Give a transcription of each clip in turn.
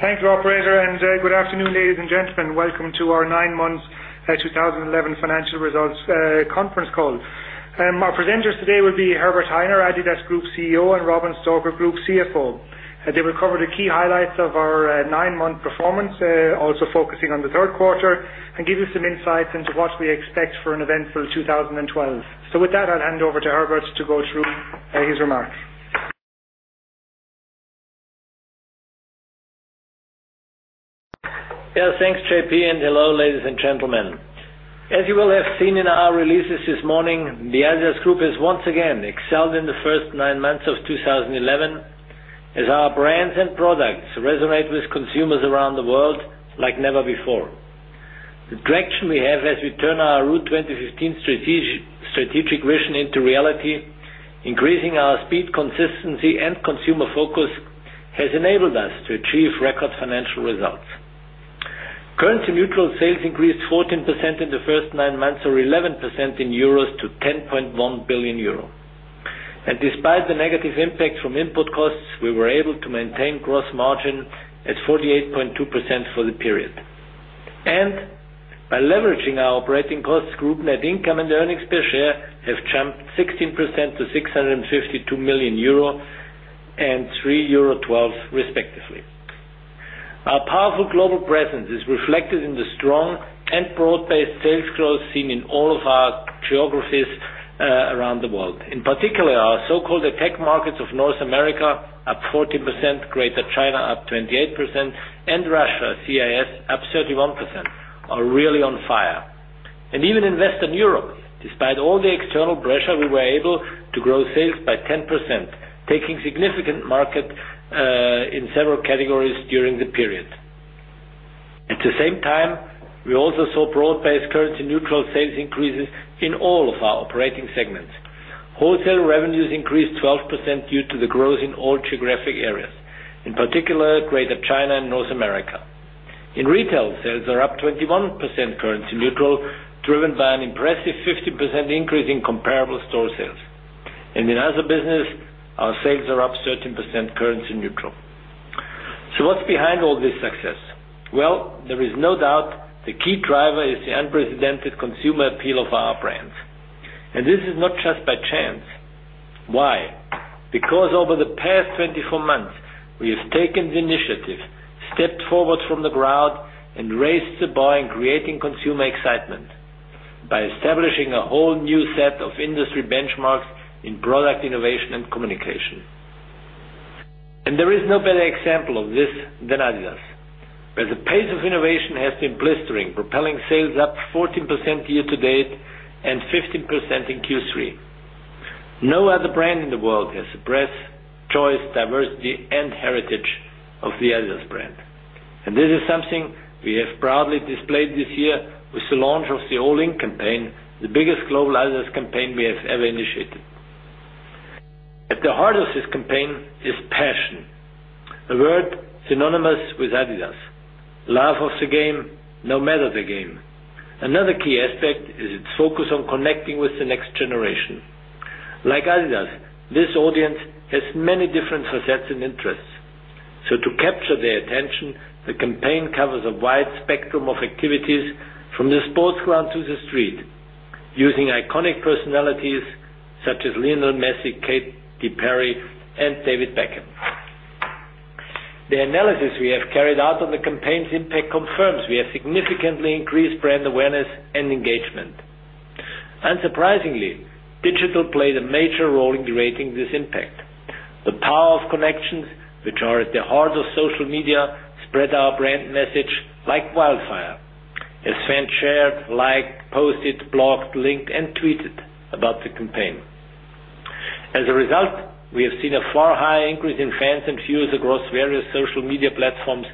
Thanks, Rob, and good afternoon, ladies and gentlemen. Welcome to our Nine months, 2011 Financial Results Conference Call. Our presenters today will be Herbert Hainer, adidas Group CEO, and Robin Stalker, Group CFO. They will cover the key highlights of our nine-month performance, also focusing on the third quarter, and give you some insights into what we expect for an eventful 2012. With that, I'll hand over to Herbert to go through his remarks. Yeah, thanks, JP, and hello, ladies and gentlemen. As you will have seen in our releases this morning, the adidas Group has once again excelled in the first nine months of 2011 as our brands and products resonate with consumers around the world like never before. The traction we have as we turn our Route 2015 strategic vision into reality, increasing our speed, consistency, and consumer focus, has enabled us to achieve record financial results. Currency-neutral sales increased 14% in the first nine months, or 11% in euros to 10.1 billion euro. Despite the negative impacts from import costs, we were able to maintain gross margin at 48.2% for the period. By leveraging our operating costs, group net income and earnings per share have jumped 16% to 652 million euro and 3.12 euro, respectively. Our powerful global presence is reflected in the strong and broad-based sales growth seen in all of our geographies around the world. In particular, our so-called tech markets of North America up 14%, Greater China up 28%, and Russia/CIS up 31%, are really on fire. Even in Western Europe, despite all the external pressure, we were able to grow sales by 10%, taking significant market in several categories during the period. At the same time, we also saw broad-based currency-neutral sales increases in all of our operating segments. Wholesale revenues increased 12% due to the growth in all geographic areas, in particular Greater China and North America. In retail, sales are up 21% currency-neutral, driven by an impressive 50% increase in comparable store sales. In other businesses, our sales are up 13% currency-neutral. What is behind all this success? There is no doubt the key driver is the unprecedented consumer appeal of our brands. This is not just by chance. Why? Because over the past 24 months, we have taken the initiative, stepped forward from the crowd, and raised the bar in creating consumer excitement by establishing a whole new set of industry benchmarks in product innovation and communication. There is no better example of this than adidas, where the pace of innovation has been blistering, propelling sales up 14% year-to-date and 15% in Q3. No other brand in the world has the breadth, choice, diversity, and heritage of the adidas brand. This is something we have proudly displayed this year with the launch of the All In campaign, the biggest global adidas campaign we have ever initiated. At the heart of this campaign is passion, a word synonymous with adidas: love of the game, no matter the game. Another key aspect is its focus on connecting with the next generation. Like adidas, this audience has many different facets and interests. To capture their attention, the campaign covers a wide spectrum of activities from the sportsground to the street, using iconic personalities such as Lionel Messi, Katy Perry, and David Beckham. The analysis we have carried out on the campaign's impact confirms we have significantly increased brand awareness and engagement. Unsurprisingly, digital played a major role in creating this impact. The power of connections, which are at the heart of social media, spread our brand message like wildfire, as fans shared, liked, posted, blogged, linked, and tweeted about the campaign. As a result, we have seen a far higher increase in fans and views across various social media platforms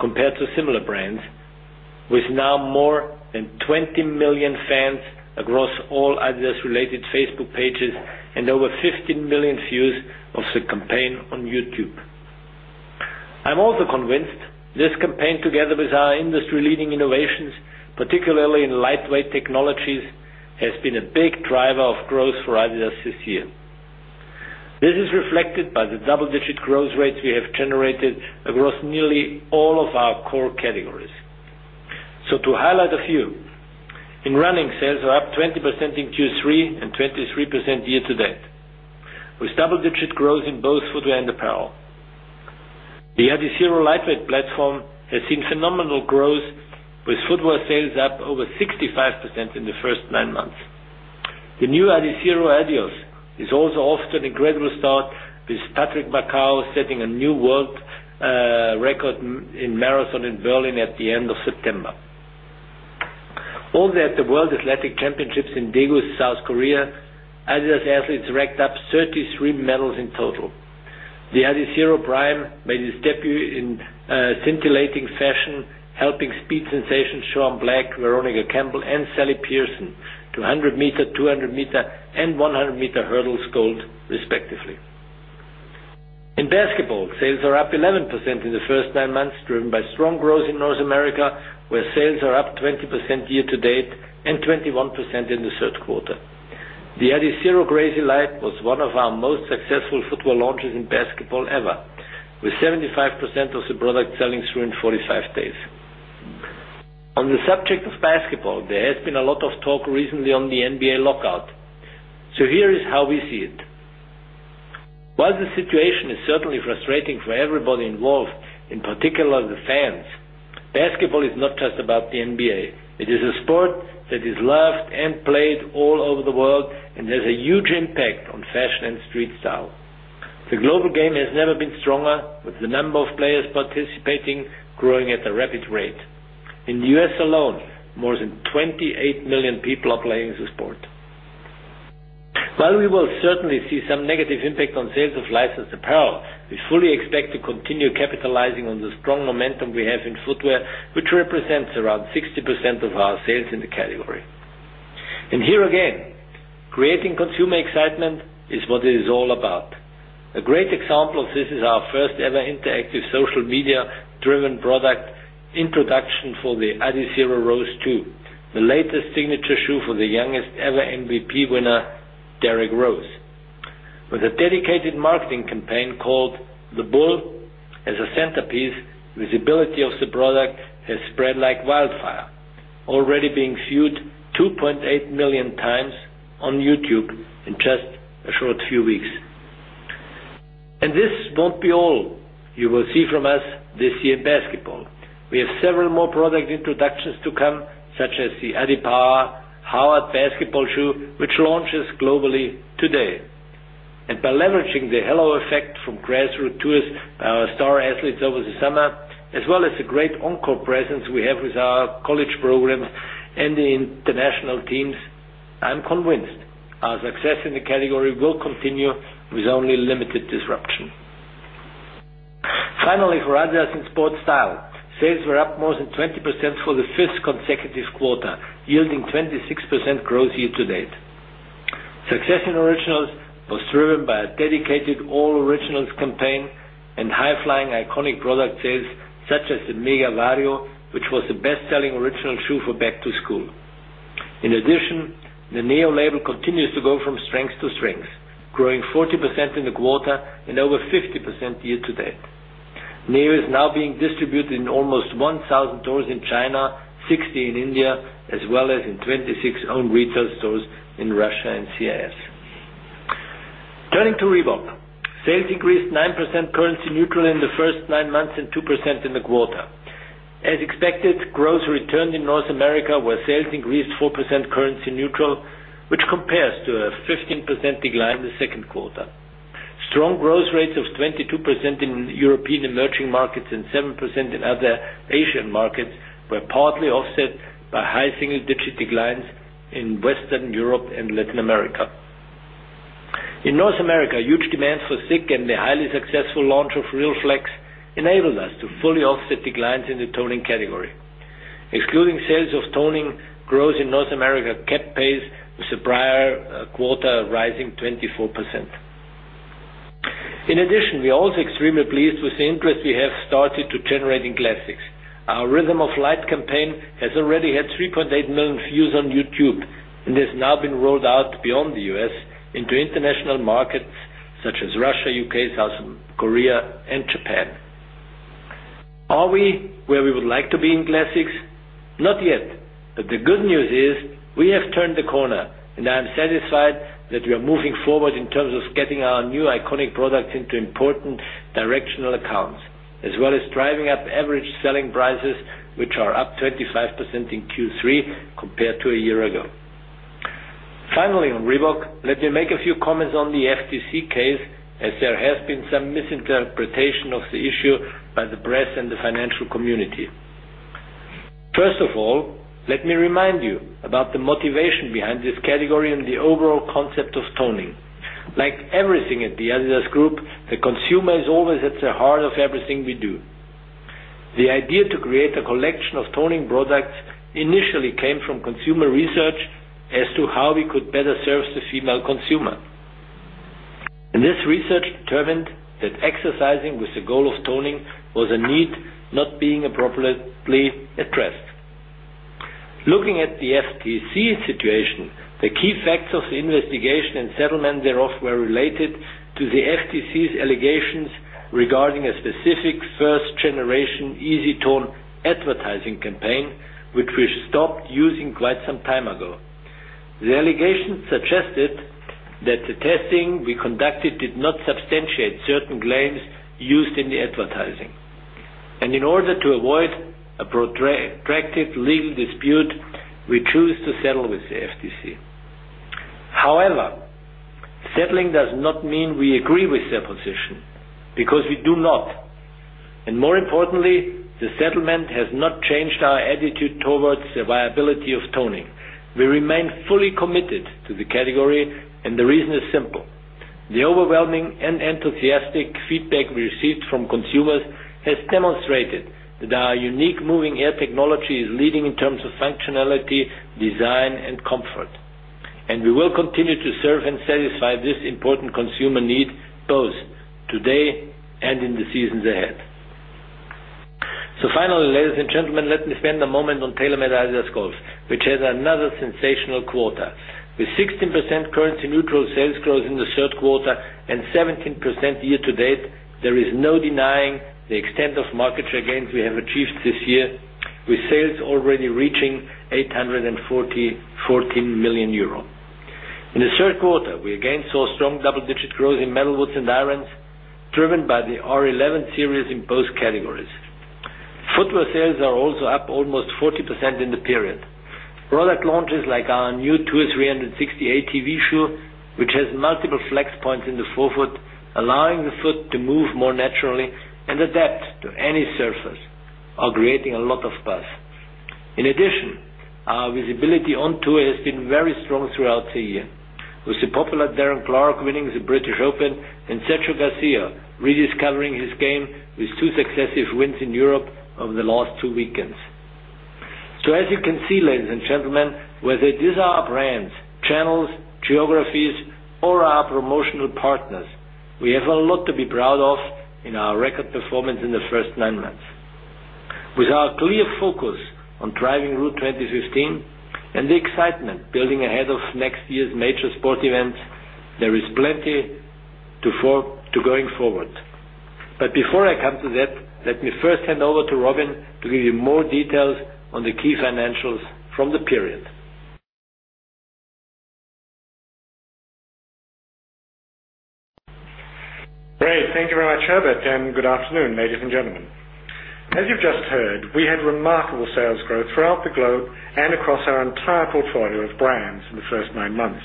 compared to similar brands, with now more than 20 million fans across all adidas-related Facebook pages and over 15 million views of the campaign on YouTube. I'm also convinced this campaign, together with our industry-leading innovations, particularly in lightweight technologies, has been a big driver of growth for adidas this year. This is reflected by the double-digit growth rates we have generated across nearly all of our core categories. To highlight a few: in running, sales are up 20% in Q3 and 23% year-to-date, with double-digit growth in both footwear and apparel. The Adizero lightweight platform has seen phenomenal growth, with footwear sales up over 65% in the first nine months. The new Adizero Adios is also off to a gradual start, with Patrick Macau setting a new world record in a marathon in Berlin at the end of September. At the World Athletic Championships in Daegu, South Korea, adidas athletes racked up 33 medals in total. The Adizero Prime made its debut in scintillating fashion, helping speed sensations Sean Black, Veronica Campbell, and Sally Pearson to 100 m, 200 m, and 100 m hurdles gold, respectively. In basketball, sales are up 11% in the first nine months, driven by strong growth in North America, where sales are up 20% year-to-date and 21% in the third quarter. The Adizero Crazy Light was one of our most successful launches in basketball ever, with 75% of the product selling through in 45 days. On the subject of basketball, there has been a lot of talk recently on the NBA lockout. Here is how we see it. While the situation is certainly frustrating for everybody involved, in particular the fans, basketball is not just about the NBA. It is a sport that is loved and played all over the world, and there's a huge impact on fashion and street style. The global game has never been stronger, with the number of players participating growing at a rapid rate. In the U.S. alone, more than 28 million people are playing the sport. While we will certainly see some negative impact on sales of licensed apparel, we fully expect to continue capitalizing on the strong momentum we have in footwear, which represents around 60% of our sales in the category. Creating consumer excitement is what it is all about. A great example of this is our first-ever interactive social media-driven product introduction for the Adizero Rose 2, the latest signature shoe for the youngest-ever MVP winner, Derrick Rose. With a dedicated marketing campaign called The Bull as a centerpiece, visibility of the product has spread like wildfire, already being viewed 2.8 million times on YouTube in just a short few weeks. This won't be all you will see from us this year in basketball. We have several more product introductions to come, such as the Adipower Howard basketball shoe, which launches globally today. By leveraging the halo effect from grassroot tours by our star athletes over the summer, as well as the great on-call presence we have with our college programs and the international teams, I'm convinced our success in the category will continue with only limited disruption. Finally, for adidas in sports style, sales were up more than 20% for the fifth consecutive quarter, yielding 26% growth year-to-date. Success in Originals was driven by a dedicated All Originals campaign and high-flying iconic product sales, such as the Mega Vario, which was the best-selling Original shoe for Back to School. In addition, the NEO label continues to go from strength to strength, growing 40% in the quarter and over 50% year-to-date. NEO is now being distributed in almost 1,000 stores in China, 60 in India, as well as in 26 owned retail stores in Russia/CIS. Turning to Reebok, sales increased 9% currency-neutral in the first nine months and 2% in the quarter. As expected, growth returned in North America, where sales increased 4% currency-neutral, which compares to a 15% decline in the second quarter. Strong growth rates of 22% in European emerging markets and 7% in other Asian markets were partly offset by high single-digit declines in Western Europe and Latin America. In North America, huge demand for [Sickee] and the highly successful launch of RealFlex enabled us to fully offset declines in the toning category. Excluding sales of toning, growth in North America kept pace with the prior quarter, rising 24%. In addition, we are also extremely pleased with the interest we have started to generate in classics. Our Rhythm of Light campaign has already had 3.8 million views on YouTube, and has now been rolled out beyond the U.S. into international markets such as Russia, U.K., South Korea, and Japan. Are we where we would like to be in classics? Not yet. The good news is we have turned the corner, and I am satisfied that we are moving forward in terms of getting our new iconic products into important directional accounts, as well as driving up average selling prices, which are up 25% in Q3 compared to a year ago. Finally, on Reebok, let me make a few comments on the FTC case, as there has been some misinterpretation of the issue by the press and the financial community. First of all, let me remind you about the motivation behind this category and the overall concept of toning. Like everything at adidas Group, the consumer is always at the heart of everything we do. The idea to create a collection of toning products initially came from consumer research as to how we could better serve the female consumer. This research determined that exercising with the goal of toning was a need not being appropriately addressed. Looking at the FTC situation, the key facts of the investigation and settlement thereof were related to the FTC's allegations regarding a specific first-generation EasyTone advertising campaign, which we stopped using quite some time ago. The allegations suggested that the testing we conducted did not substantiate certain claims used in the advertising. In order to avoid a protracted legal dispute, we chose to settle with the FTC. However, settling does not mean we agree with their position, because we do not. More importantly, the settlement has not changed our attitude towards the viability of toning. We remain fully committed to the category, and the reason is simple. The overwhelming and enthusiastic feedback we received from consumers has demonstrated that our unique moving air technology is leading in terms of functionality, design, and comfort. We will continue to serve and satisfy this important consumer need both today and in the seasons ahead. Finally, ladies and gentlemen, let me spend a moment on Tailor-made adidas Golf, which had another sensational quarter. With 16% currency-neutral sales growth in the third quarter and 17% year-to-date, there is no denying the extent of market share gains we have achieved this year, with sales already reaching 814 million euro. In the third quarter, we again saw strong double-digit growth in metalwoods and irons, driven by the R11 series in both categories. Footwear sales are also up almost 40% in the period. Product launches like our new TOUR 360 ATV shoe, which has multiple flex points in the forefoot, allowing the foot to move more naturally and adapt to any surface, are creating a lot of buzz. In addition, our visibility on tour has been very strong throughout the year, with the popular Darren Clark winning the British Open and Sergio Garcia rediscovering his game with two successive wins in Europe over the last two weekends. As you can see, ladies and gentlemen, whether these are our brands, channels, geographies, or our promotional partners, we have a lot to be proud of in our record performance in the first nine months. With our clear focus on driving Route 2015 and the excitement building ahead of next year's major sport events, there is plenty to go forward. Before I come to that, let me first hand over to Robin to give you more details on the key financials from the period. Great, thank you very much, Herbert, and good afternoon, ladies and gentlemen. As you've just heard, we had remarkable sales growth throughout the globe and across our entire portfolio of brands in the first nine months.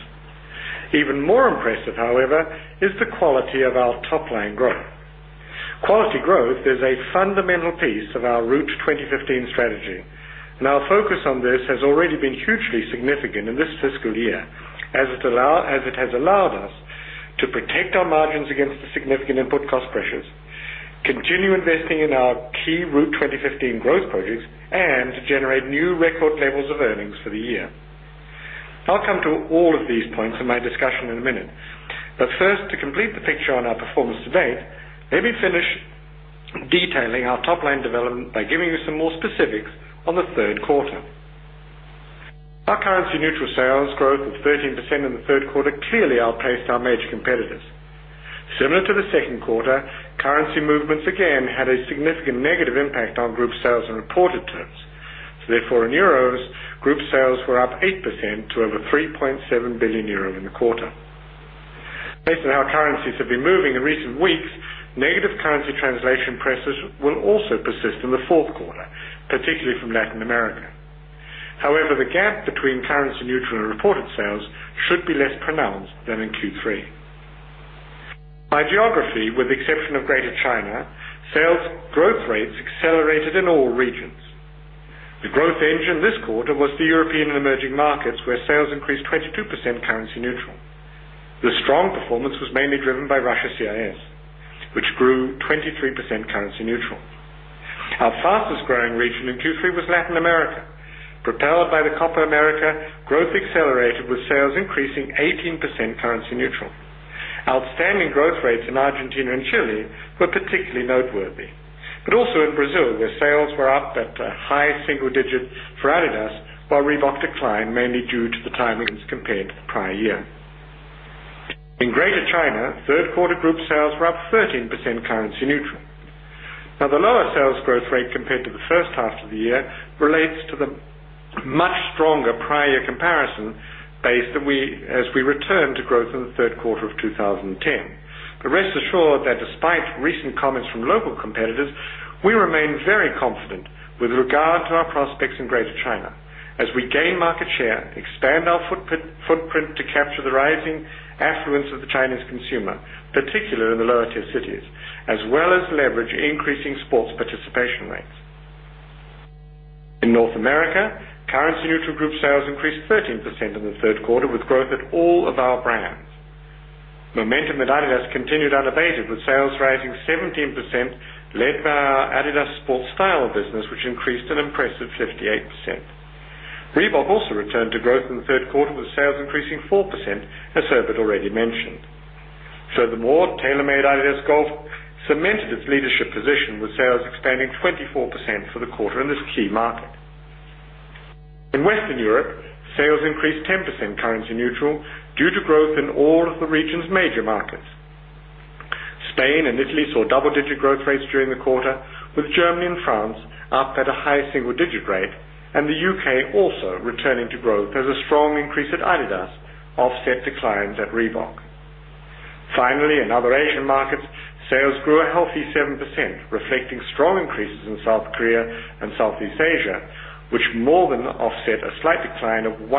Even more impressive, however, is the quality of our top-line growth. Quality growth is a fundamental piece of our Route 2015 strategy, and our focus on this has already been hugely significant in this fiscal year, as it has allowed us to protect our margins against the significant input cost pressures, continue investing in our key Route 2015 growth projects, and generate new record levels of earnings for the year. I'll come to all of these points in my discussion in a minute. First, to complete the picture on our performance to date, let me finish detailing our top-line development by giving you some more specifics on the third quarter. Our currency-neutral sales growth of 13% in the third quarter clearly outpaced our major competitors. Similar to the second quarter, currency movements again had a significant negative impact on group sales in reported terms. Therefore, in euros, group sales were up 8% to over 3.7 billion euro in the quarter. Based on how currencies have been moving in recent weeks, negative currency translation pressures will also persist in the fourth quarter, particularly from Latin America. However, the gap between currency-neutral and reported sales should be less pronounced than in Q3. By geography, with the exception of Greater China, sales growth rates accelerated in all regions. The growth engine this quarter was the European and emerging markets, where sales increased 22% currency-neutral. The strong performance was mainly driven by Russia/CIS, which grew 23% currency-neutral. Our fastest growing region in Q3 was Latin America. Propelled by the Copa America, growth accelerated, with sales increasing 18% currency-neutral. Outstanding growth rates in Argentina and Chile were particularly noteworthy, but also in Brazil, where sales were up at a high single digit for adidas, while Reebok declined mainly due to the timings compared to the prior year. In Greater China, third-quarter group sales were up 13% currency-neutral. Now, the lower sales growth rate compared to the first half of the year relates to the much stronger prior year comparison base as we returned to growth in the third quarter of 2010. Rest assured that despite recent comments from local competitors, we remain very confident with regard to our prospects in Greater China, as we gain market share, expand our footprint to capture the rising affluence of the Chinese consumer, particularly in the lower-tier cities, as well as leverage increasing sports participation rates. In North America, currency-neutral group sales increased 13% in the third quarter, with growth at all of our brands. Momentum with adidas continued unabated, with sales rising 17%, led by our adidas sports style business, which increased an impressive 58%. Reebok also returned to growth in the third quarter, with sales increasing 4%, as Herbert already mentioned. Furthermore, Tailor-made adidas Golf cemented its leadership position, with sales expanding 24% for the quarter in this key market. In Western Europe, sales increased 10% currency-neutral due to growth in all of the region's major markets. Spain and Italy saw double-digit growth rates during the quarter, with Germany and France up at a high single-digit rate, and the U.K. also returning to growth as a strong increase at adidas offset declines at Reebok. Finally, in other Asian markets, sales grew a healthy 7%, reflecting strong increases in South Korea and Southeast Asia, which more than offset a slight decline of 1%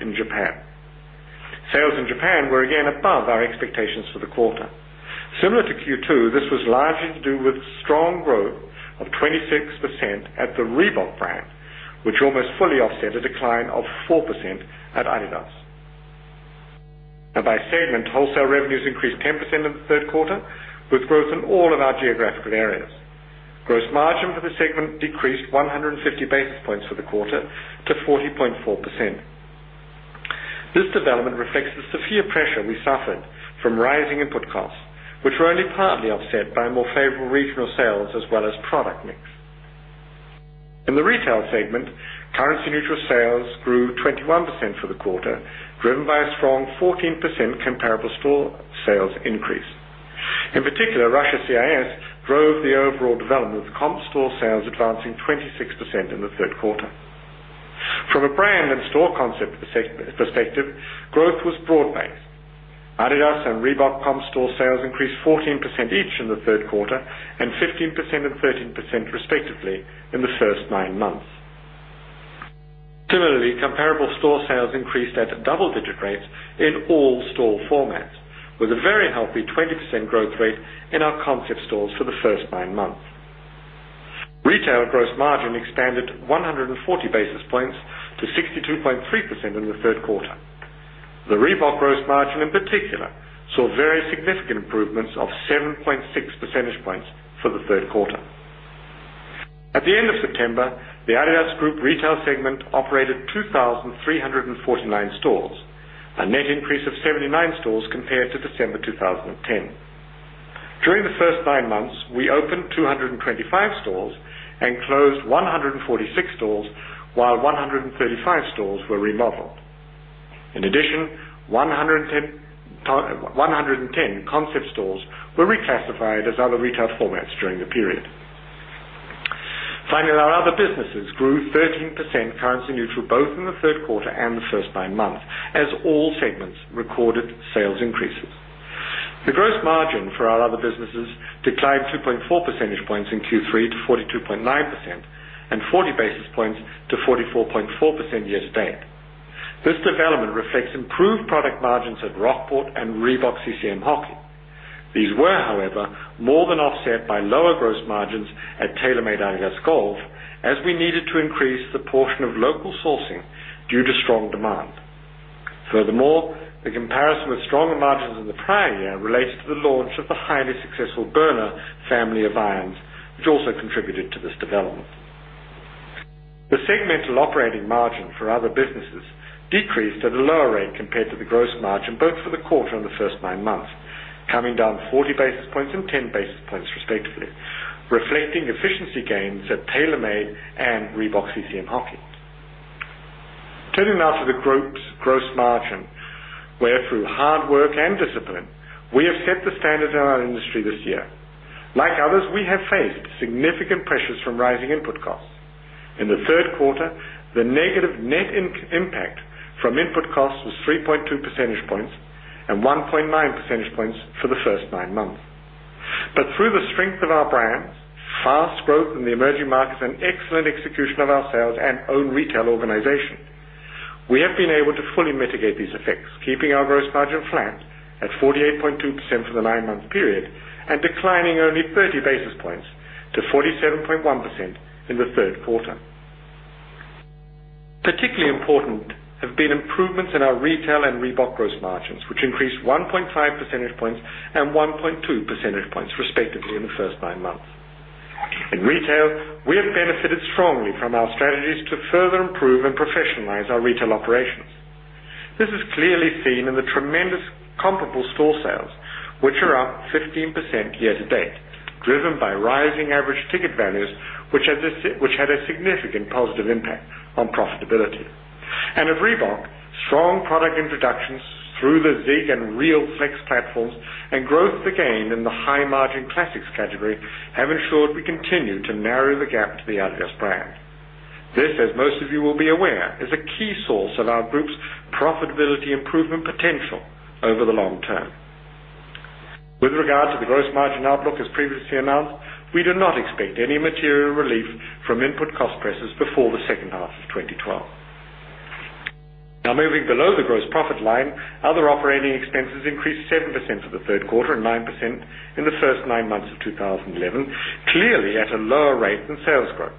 in Japan. Sales in Japan were again above our expectations for the quarter. Similar to Q2, this was largely to do with strong growth of 26% at the Reebok brand, which almost fully offset a decline of 4% at adidas. Now, by segment, wholesale revenues increased 10% in the third quarter, with growth in all of our geographical areas. Gross margin for the segment decreased 150 basis points for the quarter to 40.4%. This development reflects the severe pressure we suffered from rising input costs, which were only partly offset by more favorable regional sales as well as product mix. In the retail segment, currency-neutral sales grew 21% for the quarter, driven by a strong 14% comparable store sales increase. In particular, Russia/CIS drove the overall development of comparable store sales, advancing 26% in the third quarter. From a brand and store concept perspective, growth was broad-based. adidas and Reebok comparable store sales increased 14% each in the third quarter and 15% and 13% respectively in the first nine months. Similarly, comparable store sales increased at double-digit rates in all store formats, with a very healthy 20% growth rate in our concept stores for the first nine months. Retail gross margin expanded 140 basis points to 62.3% in the third quarter. The Reebok gross margin in particular saw very significant improvements of 7.6 percentage points for the third quarter. At the end of September, the adidas Group retail segment operated 2,349 stores, a net increase of 79 stores compared to December 2010. During the first nine months, we opened 225 stores and closed 146 stores, while 135 stores were remodeled. In addition, 110 concept stores were reclassified as other retail formats during the period. Finally, our other businesses grew 13% currency-neutral both in the third quarter and the first nine months, as all segments recorded sales increases. The gross margin for our other businesses declined 2.4 percentage points in Q3 to 42.9% and 40 basis points to 44.4% year-to-date. This development reflects improved product margins at Rockport and Reebok CCM Hockey. These were, however, more than offset by lower gross margins at Tailor-made adidas Golf, as we needed to increase the portion of local sourcing due to strong demand. Furthermore, the comparison with stronger margins in the prior year relates to the launch of the highly successful Burner family of irons, which also contributed to this development. The segmental operating margin for other businesses decreased at a lower rate compared to the gross margin both for the quarter and the first nine months, coming down 40 basis points and 10 basis points respectively, reflecting efficiency gains at Tailor-made and Reebok CCM Hockey. Turning now to the group's gross margin, where through hard work and discipline we have set the standard in our industry this year. Like others, we have faced significant pressures from rising input costs. In the third quarter, the negative net impact from input costs was 3.2 percentage points and 1.9 percentage points for the first nine months. Through the strength of our brands, fast growth in the emerging markets, and excellent execution of our sales and own retail organization, we have been able to fully mitigate these effects, keeping our gross margin flat at 48.2% for the nine-month period and declining only 30 basis points to 47.1% in the third quarter. Particularly important have been improvements in our retail and Reebok gross margins, which increased 1.5 percentage points and 1.2 percentage points respectively in the first nine months. In retail, we have benefited strongly from our strategies to further improve and professionalize our retail operations. This is clearly seen in the tremendous comparable store sales, which are up 15% year-to-date, driven by rising average ticket values, which had a significant positive impact on profitability. At Reebok, strong product introductions through the RealFlex platform and growth to gain in the high-margin classics category have ensured we continue to narrow the gap to the adidas brand. This, as most of you will be aware, is a key source of our group's profitability improvement potential over the long term. With regard to the gross margin outlook, as previously announced, we do not expect any material relief from input cost pressures before the second half of 2012. Now, moving below the gross profit line, other operating expenses increased 7% for the third quarter and 9% in the first nine months of 2011, clearly at a lower rate than sales growth.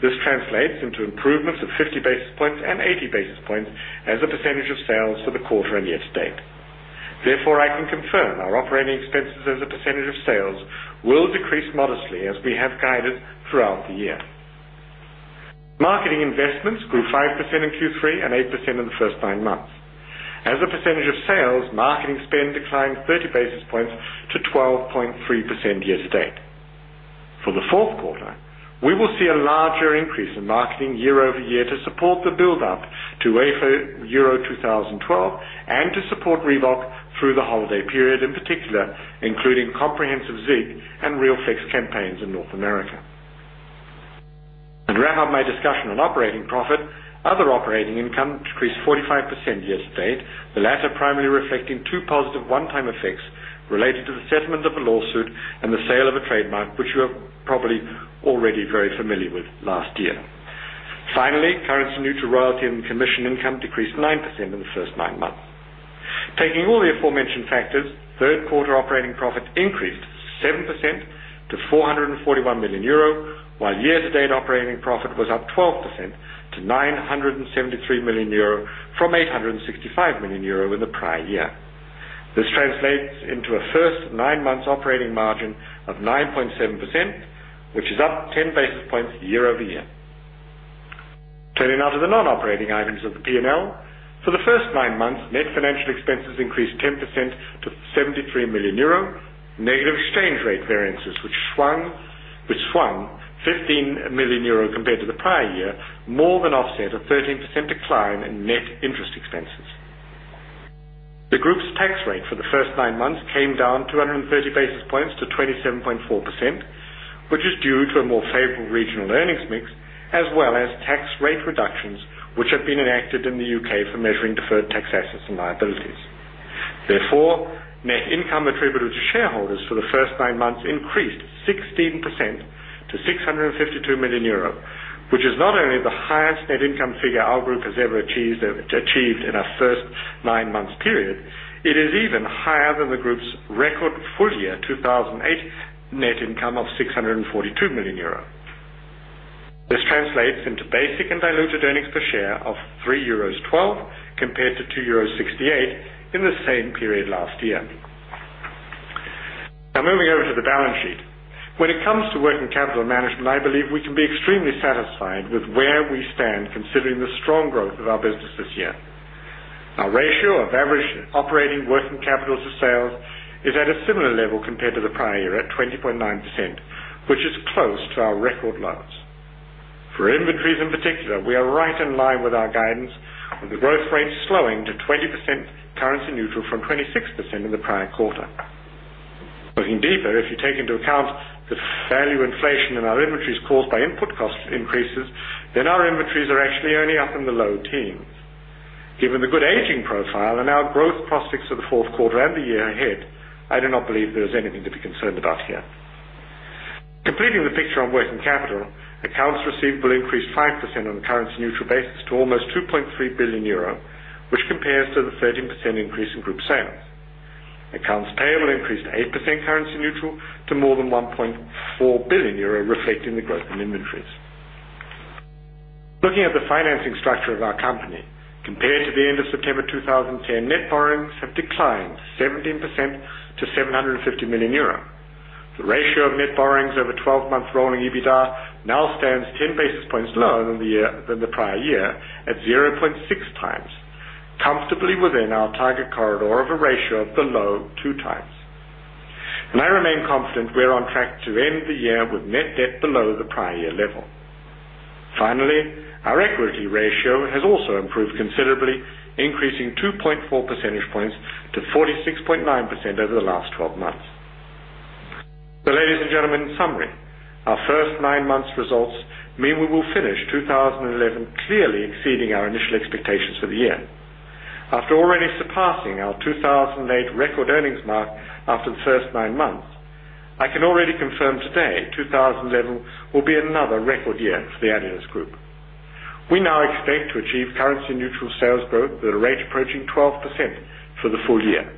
This translates into improvements of 50 basis points and 80 basis points as a percentage of sales for the quarter and year-to-date. Therefore, I can confirm our operating expenses as a percentage of sales will decrease modestly, as we have guided throughout the year. Marketing investments grew 5% in Q3 and 8% in the first nine months. As a percentage of sales, marketing spend declined 30 basis points to 12.3% year-to-date. For the fourth quarter, we will see a larger increase in marketing year over year to support the buildup to UEFA Euro 2012 and to support Reebok through the holiday period, in particular including comprehensive RealFlex campaigns in North America. To wrap up my discussion on operating profit, other operating income decreased 45% year-to-date, the latter primarily reflecting two positive one-time effects related to the settlement of a lawsuit and the sale of a trademark, which you are probably already very familiar with last year. Finally, currency-neutral royalty and commission income decreased 9% in the first nine months. Taking all the aforementioned factors, third quarter operating profit increased 7% to 441 million euro, while year-to-date operating profit was up 12% to 973 million euro from 865 million euro in the prior year. This translates into a first nine months operating margin of 9.7%, which is up 10 basis points year-over-year. Turning now to the non-operating items of the P&L, for the first nine months, net financial expenses increased 10% to 73 million euro, negative exchange rate variances, which shrunk 15 million euro compared to the prior year, more than offset a 13% decline in net interest expenses. The group's tax rate for the first nine months came down 230 basis points to 27.4%, which is due to a more favorable regional earnings mix, as well as tax rate reductions which have been enacted in the U.K. for measuring deferred tax assets and liabilities. Therefore, net income attributed to shareholders for the first nine months increased 16% to 652 million euro, which is not only the highest net income figure our group has ever achieved in our first nine-month period, it is even higher than the group's record full year 2008 net income of 642 million euro. This translates into basic and diluted earnings per share of 3.12 euros compared to 2.68 euros in the same period last year. Now, moving over to the balance sheet. When it comes to working capital management, I believe we can be extremely satisfied with where we stand, considering the strong growth of our business this year. Our ratio of average operating working capital to sales is at a similar level compared to the prior year at 20.9%, which is close to our record lows. For inventories in particular, we are right in line with our guidance, with the growth rate slowing to 20% currency-neutral from 26% in the prior quarter. Looking deeper, if you take into account the value inflation in our inventories caused by input cost increases, then our inventories are actually only up in the low teens. Given the good aging profile and our growth prospects for the fourth quarter and the year ahead, I do not believe there is anything to be concerned about here. Completing the picture on working capital, accounts receivable will increase 5% on a currency-neutral basis to almost 2.3 billion euro, which compares to the 13% increase in group sales. Accounts payable increased 8% currency-neutral to more than 1.4 billion euro, reflecting the growth in inventories. Looking at the financing structure of our company, compared to the end of September 2010, net borrowings have declined 17% to 750 million euro. The ratio of net borrowings over 12-month rolling EBITDA now stands 10 basis points lower than the prior year at 0.6 times, comfortably within our target corridor of a ratio of below two times. I remain confident we are on track to end the year with net debt below the prior year level. Finally, our equity ratio has also improved considerably, increasing 2.4 percentage points to 46.9% over the last 12 months. Ladies and gentlemen, in summary, our first nine months' results mean we will finish 2011 clearly exceeding our initial expectations for the year. After already surpassing our 2008 record earnings mark after the first nine months, I can already confirm today 2011 will be another record year for adidas Group. We now expect to achieve currency-neutral sales growth at a rate approaching 12% for the full year.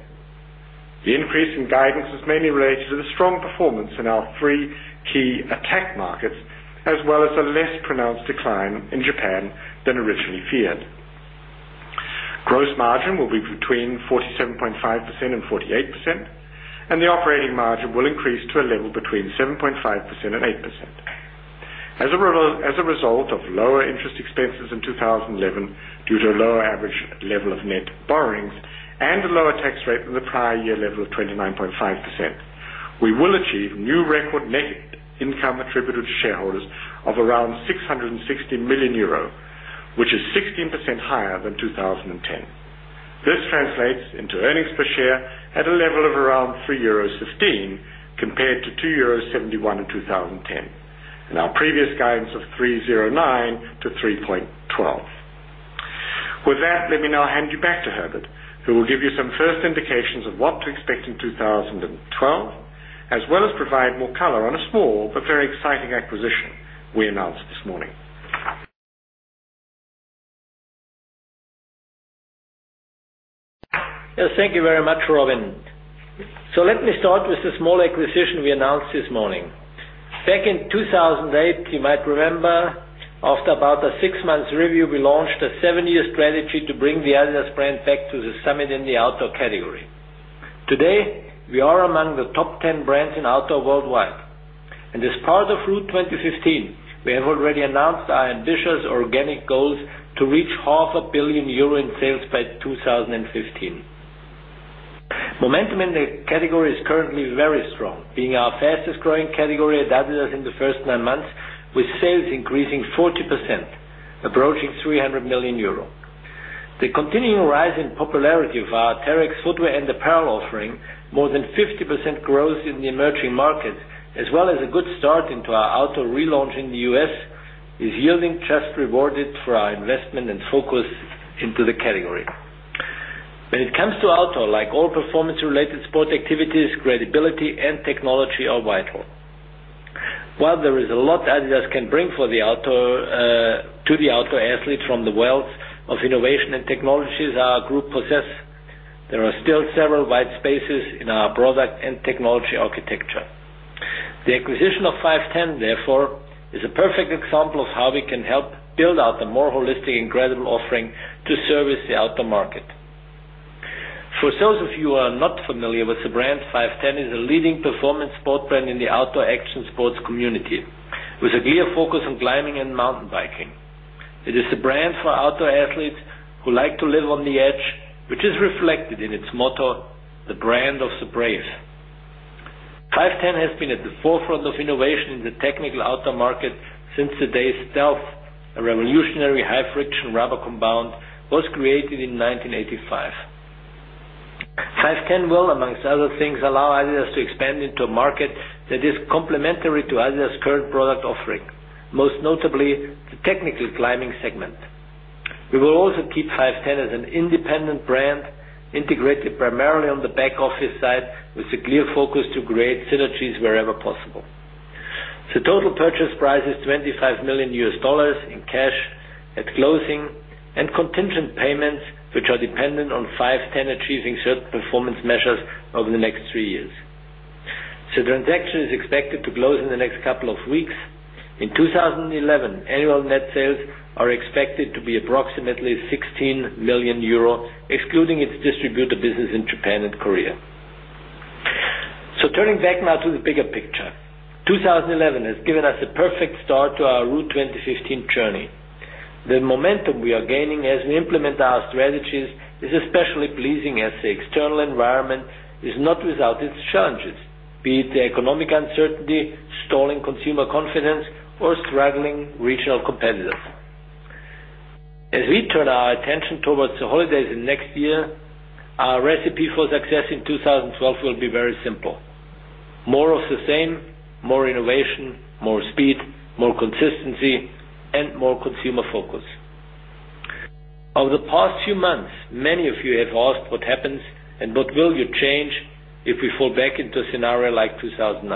The increase in guidance is mainly related to the strong performance in our three key attack markets, as well as a less pronounced decline in Japan than originally feared. Gross margin will be between 47.5% and 48%, and the operating margin will increase to a level between 7.5% and 8%. As a result of lower interest expenses in 2011 due to a lower average level of net borrowings and a lower tax rate than the prior year level of 29.5%, we will achieve new record net income attributed to shareholders of around 660 million euro, which is 16% higher than 2010. This translates into earnings per share at a level of around 3.15 euros compared to 2.71 euros in 2010 and our previous guidance of 3.09-3.12. With that, let me now hand you back to Herbert, who will give you some first indications of what to expect in 2012, as well as provide more color on a small but very exciting acquisition we announced this morning. Yes, thank you very much, Robin. Let me start with the small acquisition we announced this morning. Back in 2008, you might remember, after about a six-month review, we launched a seven-year strategy to bring the adidas brand back to the summit in the outdoor category. Today, we are among the top 10 brands in outdoor worldwide. As part of Route 2015, we have already announced our ambitious organic goals to reach half a billion euros in sales by 2015. Momentum in the category is currently very strong, being our fastest growing category at adidas in the first nine months, with sales increasing 40%, approaching 300 million euro. The continuing rise in popularity of our Terrex footwear and apparel offering, more than 50% growth in the emerging markets, as well as a good start into our outdoor relaunch in the U.S., is yielding just reward for our investment and focus into the category. When it comes to outdoor, like all performance-related sport activities, credibility and technology are vital. While there is a lot adidas can bring to the outdoor athletes from the wealth of innovation and technologies our group possesses, there are still several white spaces in our product and technology architecture. The acquisition of Five Ten, therefore, is a perfect example of how we can help build out a more holistic and credible offering to service the outdoor market. For those of you who are not familiar with the brand, Five Ten is a leading performance sport brand in the outdoor action sports community, with a clear focus on climbing and mountain biking. It is a brand for outdoor athletes who like to live on the edge, which is reflected in its motto, "The Brand of the Brave." Five Ten has been at the forefront of innovation in the technical outdoor market since the day Stealth, a revolutionary high-friction rubber compound, was created in 1985. Five Ten will, among other things, allow adidas to expand into a market that is complementary to adidas's current product offering, most notably the technical climbing segment. We will also keep Five Ten as an independent brand, integrated primarily on the back office side, with a clear focus to create synergies wherever possible. The total purchase price is $25 million in cash at closing and contingent payments, which are dependent on Five Ten achieving certain performance measures over the next three years. The transaction is expected to close in the next couple of weeks. In 2011, annual net sales are expected to be approximately 16 million euro, excluding its distributor business in Japan and Korea. Turning back now to the bigger picture, 2011 has given us a perfect start to our Route 2015 journey. The momentum we are gaining as we implement our strategies is especially pleasing as the external environment is not without its challenges, be it the economic uncertainty, stalling consumer confidence, or struggling regional competitors. As we turn our attention towards the holidays in next year, our recipe for success in 2012 will be very simple: more of the same, more innovation, more speed, more consistency, and more consumer focus. Over the past few months, many of you have asked what happens and what will you change if we fall back into a scenario like 2009.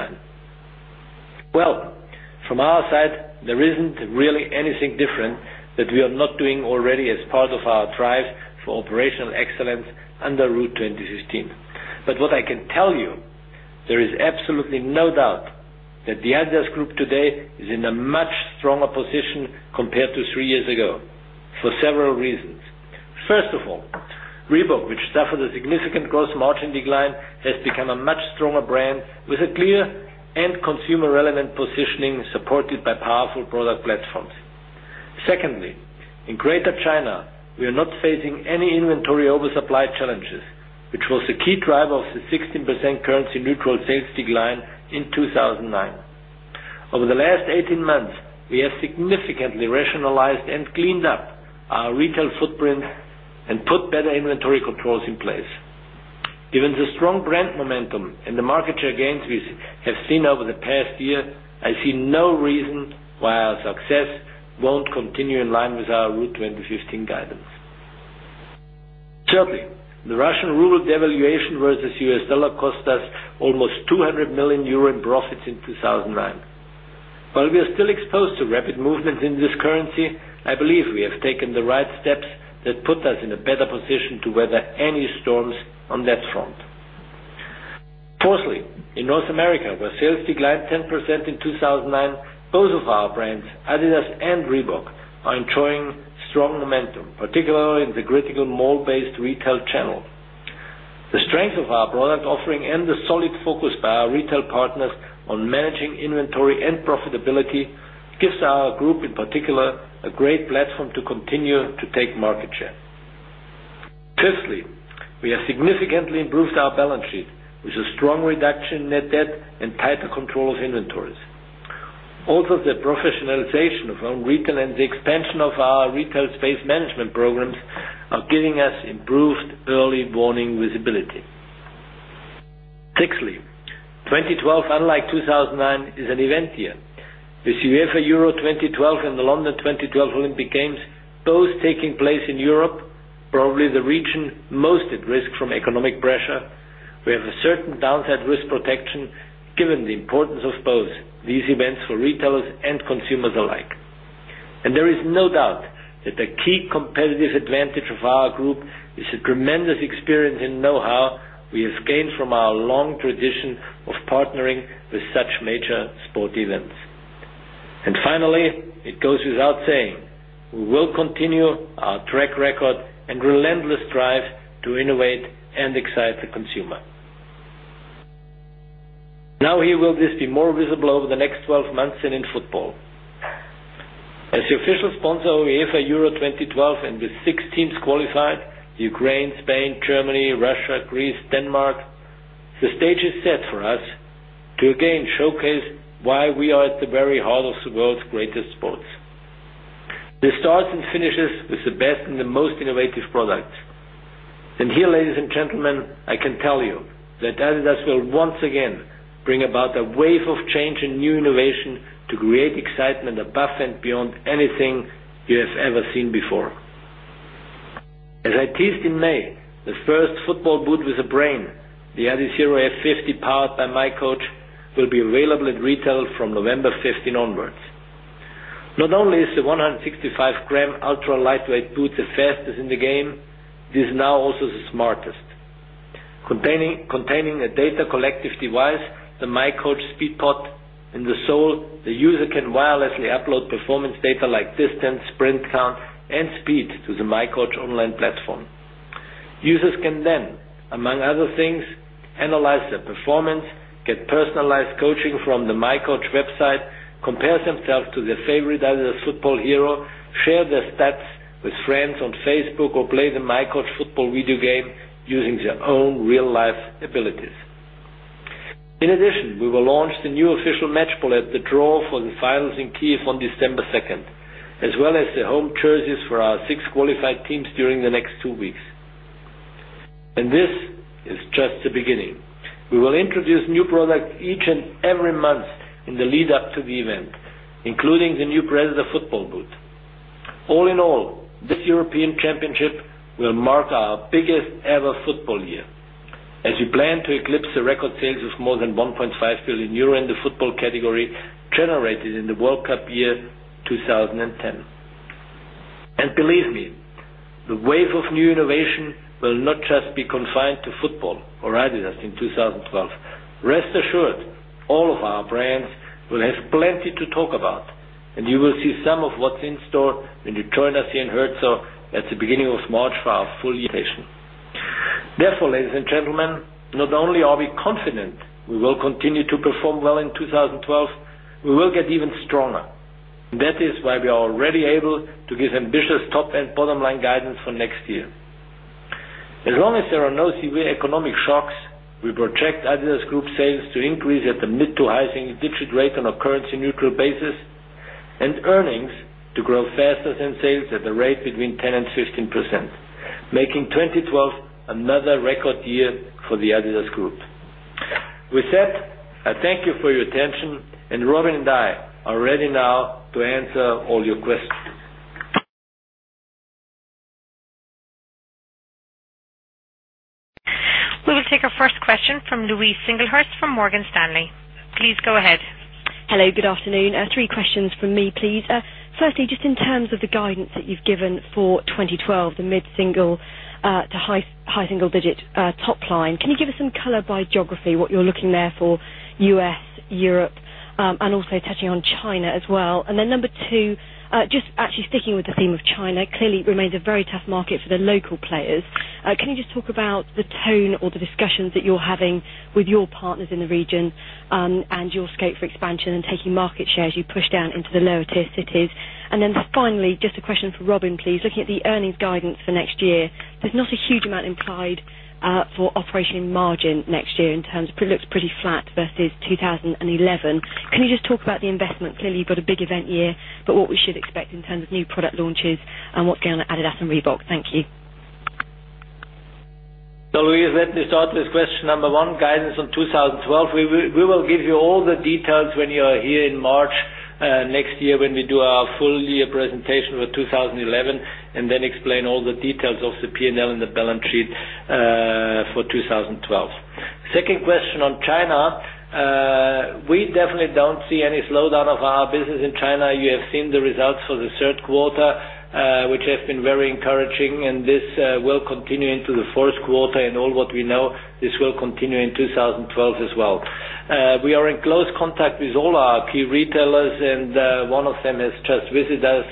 From our side, there isn't really anything different that we are not doing already as part of our drives for operational excellence under Route 2015. What I can tell you, there is absolutely no doubt that adidas Group today is in a much stronger position compared to three years ago, for several reasons. First of all, Reebok, which suffered a significant gross margin decline, has become a much stronger brand with a clear and consumer-relevant positioning supported by powerful product platforms. Secondly, in Greater China, we are not facing any inventory oversupply challenges, which was the key driver of the 16% currency-neutral sales decline in 2009. Over the last 18 months, we have significantly rationalized and cleaned up our retail footprint and put better inventory controls in place. Given the strong brand momentum and the market share gains we have seen over the past year, I see no reason why our success won't continue in line with our Route 2015 guidance. Thirdly, the Russian ruble devaluation versus U.S. dollar cost us almost 200 million euro in profits in 2009. While we are still exposed to rapid movements in this currency, I believe we have taken the right steps that put us in a better position to weather any storms on that front. Fourthly, in North America, where sales declined 10% in 2009, both of our brands, adidas and Reebok, are enjoying strong momentum, particularly in the critical mall-based retail channel. The strength of our product offering and the solid focus by our retail partners on managing inventory and profitability give our group in particular a great platform to continue to take market share. Fifthly, we have significantly improved our balance sheet with a strong reduction in net debt and tighter control of inventories. Also, the professionalization of home retail and the expansion of our retail space management programs are giving us improved early warning visibility. Sixthly, 2012, unlike 2009, is an event year. With UEFA Euro 2012 and the London 2012 Olympic Games both taking place in Europe, probably the region most at risk from economic pressure, we have a certain downside risk protection given the importance of both these events for retailers and consumers alike. There is no doubt that the key competitive advantage of our group is the tremendous experience and know-how we have gained from our long tradition of partnering with such major sport events. Finally, it goes without saying, we will continue our track record and relentless drive to innovate and excite the consumer. Now, where will this be more visible over the next 12 months and in football? As the official sponsor of UEFA Euro 2012 and with six teams qualified, Ukraine, Spain, Germany, Russia, Greece, Denmark, the stage is set for us to again showcase why we are at the very heart of the world's greatest sports. This starts and finishes with a bet on the most innovative products. Here, ladies and gentlemen, I can tell you that adidas will once again bring about a wave of change and new innovation to create excitement above and beyond anything you have ever seen before. As I teased in May, the first football boot with a brain, the Adizero F50 powered by miCoach, will be available at retail from November 15 onwards. Not only is the 165-gram ultra-lightweight boot the fastest in the game, it is now also the smartest. Containing a data collective device, the miCoach SpeedPod, in the sole, the user can wirelessly upload performance data like distance, sprint count, and speed to the miCoach online platform. Users can then, among other things, analyze their performance, get personalized coaching from the miCoach website, compare themselves to their favorite adidas football hero, share their stats with friends on Facebook, or play the miCoach football video game using their own real-life abilities. In addition, we will launch the new official match ball at the draw for the finals in Kyiv on December 2, as well as the home jerseys for our six qualified teams during the next two weeks. This is just the beginning. We will introduce new products each and every month in the lead-up to the event, including the new Brazil football boot. All in all, this European Championship will mark our biggest ever football year, as we plan to eclipse the record sales of more than 1.5 billion euro in the football category generated in the World Cup year 2010. Believe me, the wave of new innovation will not just be confined to football or adidas in 2012. Rest assured, all of our brands will have plenty to talk about, and you will see some of what's in store when you join us here in Herzogenaurach at the beginning of March for our full iteration. Therefore, ladies and gentlemen, not only are we confident we will continue to perform well in 2012, we will get even stronger. That is why we are already able to give ambitious top and bottom line guidance for next year. As long as there are no severe economic shocks, we project adidas Group sales to increase at the mid to high single-digit rate on a currency-neutral basis and earnings to grow faster than sales at a rate between 10% and 15%, making 2012 another record year for adidas Group. With that, I thank you for your attention, and Robin and I are ready now to answer all your questions. We will take our first question from Louise Singlehurst from Morgan Stanley. Please go ahead. Hello, good afternoon. Three questions from me, please. Firstly, just in terms of the guidance that you've given for 2012, the mid-single to high single-digit top line, can you give us some color by geography, what you're looking there for U.S., Europe, and also touching on China as well? Number two, just actually sticking with the theme of China, clearly remains a very tough market for the local players. Can you just talk about the tone or the discussions that you're having with your partners in the region and your scope for expansion and taking market share as you push down into the lower-tier cities? Finally, just a question for Robin, please. Looking at the earnings guidance for next year, there's not a huge amount implied for operating margin next year in terms of it looks pretty flat versus 2011. Can you just talk about the investment? Clearly, you've got a big event year, but what we should expect in terms of new product launches and what's going on at adidas and Reebok. Thank you. Louise, let me start with question number one, guidance on 2012. We will give you all the details when you are here in March next year when we do our full year presentation for 2011 and then explain all the details of the P&L and the balance sheet for 2012. The second question on China. We definitely don't see any slowdown of our business in China. You have seen the results for the third quarter, which have been very encouraging, and this will continue into the fourth quarter. All what we know, this will continue in 2012 as well. We are in close contact with all our key retailers, and one of them has just visited us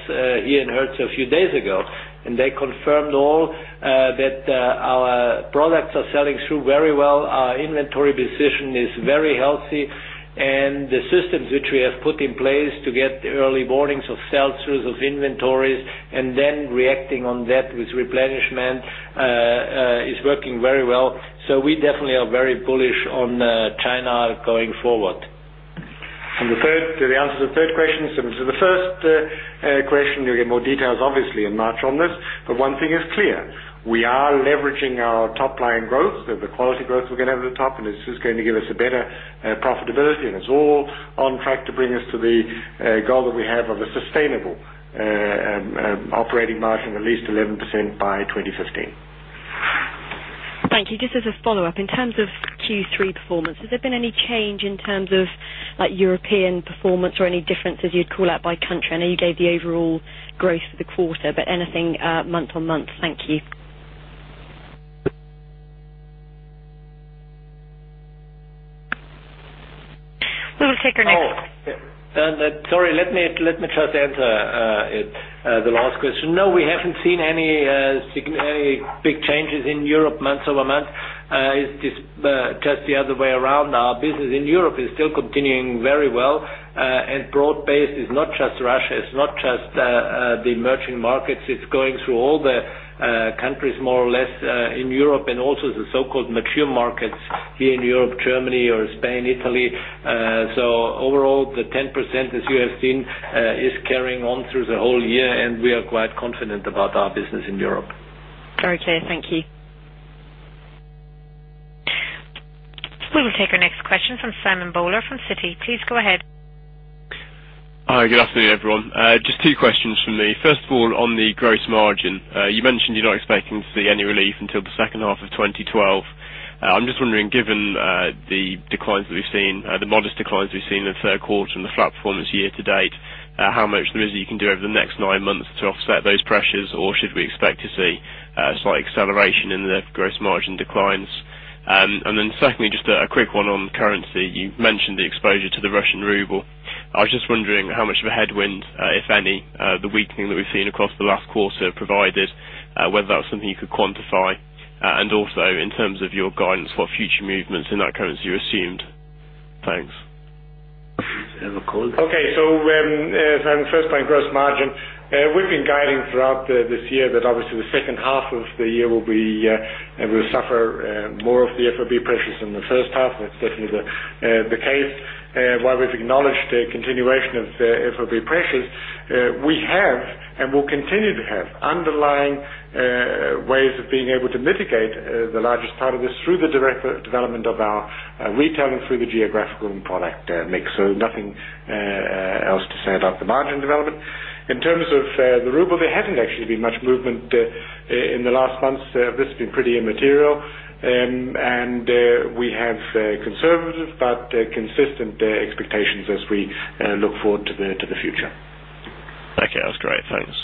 here in Herzogenaurach a few days ago, and they confirmed all that our products are selling through very well. Our inventory position is very healthy, and the systems which we have put in place to get early warnings of sell-throughs of inventories and then reacting on that with replenishment is working very well. We definitely are very bullish on China going forward. For the third, do the answer to the third question similar to the first question. You'll get more details, obviously, in March on this. One thing is clear. We are leveraging our top line growth, so the quality growth we're going to have at the top is just going to give us a better profitability. It's all on track to bring us to the goal that we have of a sustainable operating margin of at least 11% by 2015. Thank you. Just as a follow-up, in terms of Q3 performance, has there been any change in terms of European performance or any differences you'd call out by country? I know you gave the overall growth for the quarter, but anything month on month? Thank you. We will take our next. Oh, sorry, let me first answer the last question. No, we haven't seen any big changes in Europe month over month. It's just the other way around. Our business in Europe is still continuing very well, and broad-based is not just Russia, it's not just the emerging markets. It's going through all the countries more or less in Europe and also the so-called mature markets here in Europe, Germany or Spain, Italy. Overall, the 10%, as you have seen, is carrying on through the whole year, and we are quite confident about our business in Europe. Very clear. Thank you. We will take our next question from Simon Bowler from Citi. Please go ahead. Hi, good afternoon, everyone. Just two questions from me. First of all, on the gross margin, you mentioned you're not expecting to see any relief until the second half of 2012. I'm just wondering, given the declines that we've seen, the modest declines we've seen in the third quarter and the flat performance year-to-date, how much of the visit you can do over the next nine months to offset those pressures, or should we expect to see a slight acceleration in the gross margin declines? Secondly, just a quick one on currency. You mentioned the exposure to the Russian ruble. I was just wondering how much of a headwind, if any, the weakening that we've seen across the last quarter provided, whether that was something you could quantify, and also in terms of your guidance for future movements in that currency you assumed. Thanks. Okay, on the first point, gross margin, we've been guiding throughout this year that obviously the second half of the year will suffer more of the FOB pressures than the first half, which is certainly the case. While we've acknowledged the continuation of the FOB pressures, we have and will continue to have underlying ways of being able to mitigate the largest part of this through the direct development of our retail and through the geographical product mix. Nothing else to say about the margin development. In terms of the ruble, there hasn't actually been much movement in the last months. This has been pretty immaterial, and we have conservative but consistent expectations as we look forward to the future. Okay, that was great. Thanks.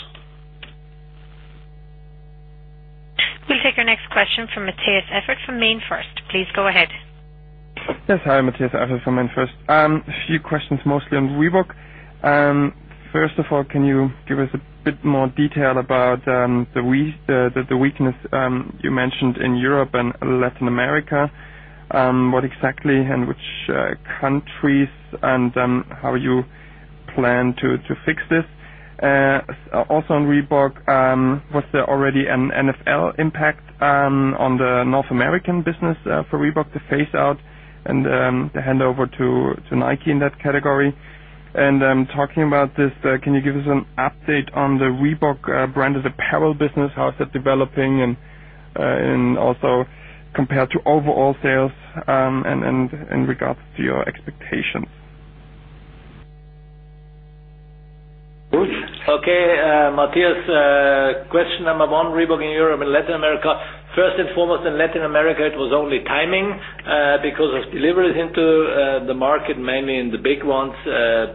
We'll take our next question from Matthias Eifert from MainFirst. Please go ahead. Yes, hi, Matthias Eifert from MainFirst. A few questions mostly on Reebok. First of all, can you give us a bit more detail about the weakness you mentioned in Europe and Latin America? What exactly and which countries and how you plan to fix this? Also on Reebok, was there already an NFL impact on the North American business for Reebok, the phase-out and the handover to Nike in that category? Talking about this, can you give us an update on the Reebok branded apparel business? How is that developing and also compared to overall sales and in regards to your expectation? Okay, Matthias, question number one, Reebok in Europe and Latin America. First and foremost, in Latin America, it was only timing because of deliveries into the market, mainly in the big ones,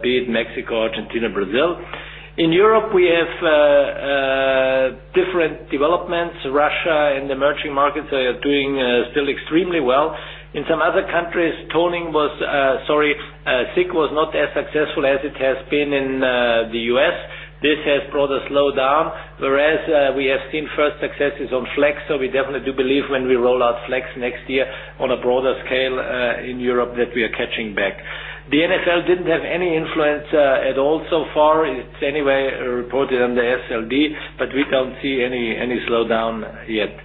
be it Mexico, Argentina, Brazil. In Europe, we have different developments. Russia/CIS and the emerging markets are doing still extremely well. In some other countries, toning was not as successful as it has been in the U.S. This has brought a slowdown, whereas we have seen first successes on Flex. We definitely do believe when we roll out Flex next year on a broader scale in Europe that we are catching back. The NFL didn't have any influence at all so far. It's anyway reported on the SLD, but we don't see any slowdown yet.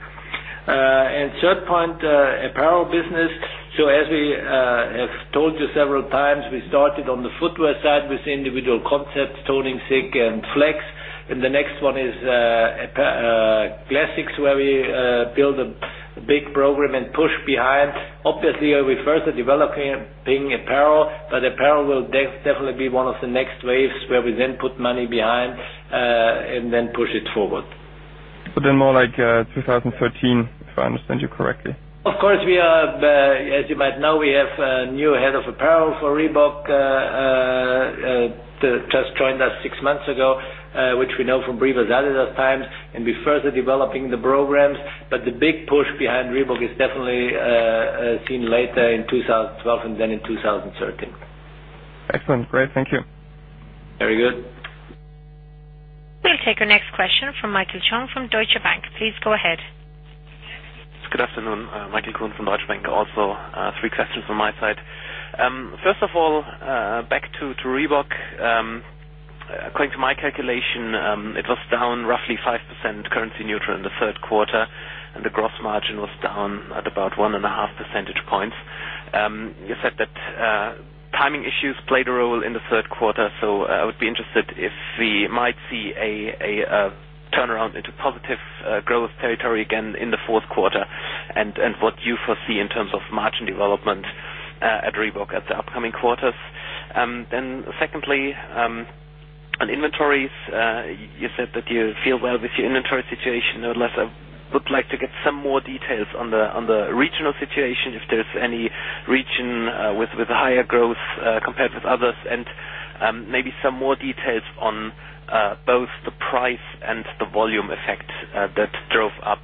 Third point, apparel business. As we have told you several times, we started on the footwear side with individual concepts, toning, Flex, and the next one is classics, where we build a big program and push behind. Obviously, we're further developing apparel, but apparel will definitely be one of the next waves where we then put money behind and then push it forward. More like 2013, if I understand you correctly. Of course, as you might know, we have a new Head of Apparel for Reebok that just joined us six months ago, which we know from previous adidas times, and we're further developing the programs. The big push behind Reebok is definitely seen later in 2012 and then in 2013. Excellent. Great. Thank you. Very good. We'll take our next question from Michael Chung from Deutsche Bank. Please go ahead. Good afternoon. Michael Chung from Deutsche Bank also. Three questions from my side. First of all, back to Reebok. According to my calculation, it was down roughly 5% currency-neutral in the third quarter, and the gross margin was down at about 1.5 percentage points. You said that timing issues played a role in the third quarter. I would be interested if we might see a turnaround into positive growth territory again in the fourth quarter and what you foresee in terms of margin development at Reebok in the upcoming quarters. Secondly, on inventories, you said that you feel well with your inventory situation. Nonetheless, I would like to get some more details on the regional situation, if there's any region with higher growth compared with others, and maybe some more details on both the price and the volume effect that drove up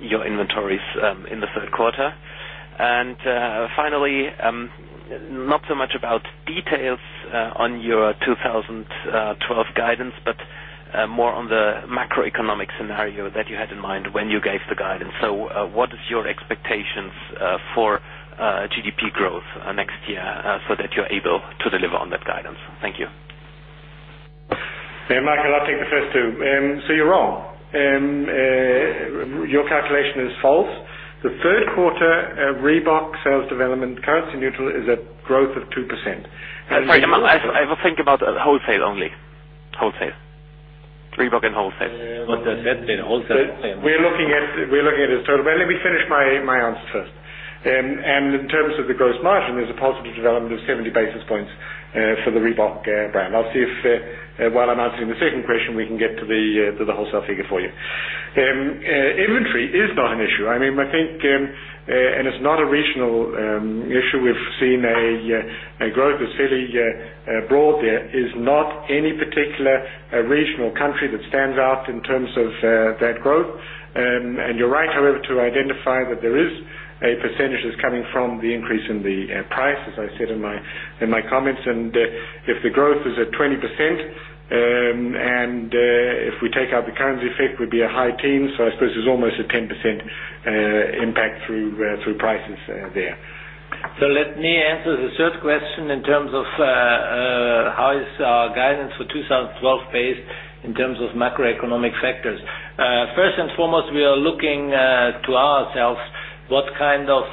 your inventories in the third quarter. Finally, not so much about details on your 2012 guidance, but more on the macroeconomic scenario that you had in mind when you gave the guidance. What is your expectation for GDP growth next year so that you're able to deliver on that guidance? Thank you. Okay, Michael, I'll take the first two. You're wrong. Your calculation is false. The third quarter Reebok sales development, currency-neutral, is at growth of 2%. I will think about wholesale only. Wholesale. Reebok and wholesale. We're looking at it as total. Let me finish my answer first. In terms of the gross margin, there's a possible development of 70 basis points for the Reebok brand. I'll see if while I'm answering the second question, we can get to the wholesale figure for you. Inventory is not an issue. I think it's not a regional issue. We've seen a growth that's fairly broad. There is not any particular regional country that stands out in terms of that growth. You're right, however, to identify that there is a percentage that's coming from the increase in the price, as I said in my comments. If the growth is at 20%, and if we take out the currency effect, it would be a high teen. I suppose it's almost a 10% impact through prices there. Let me answer the third question in terms of how is our guidance for 2012 based in terms of macroeconomic factors. First and foremost, we are looking to ourselves what kind of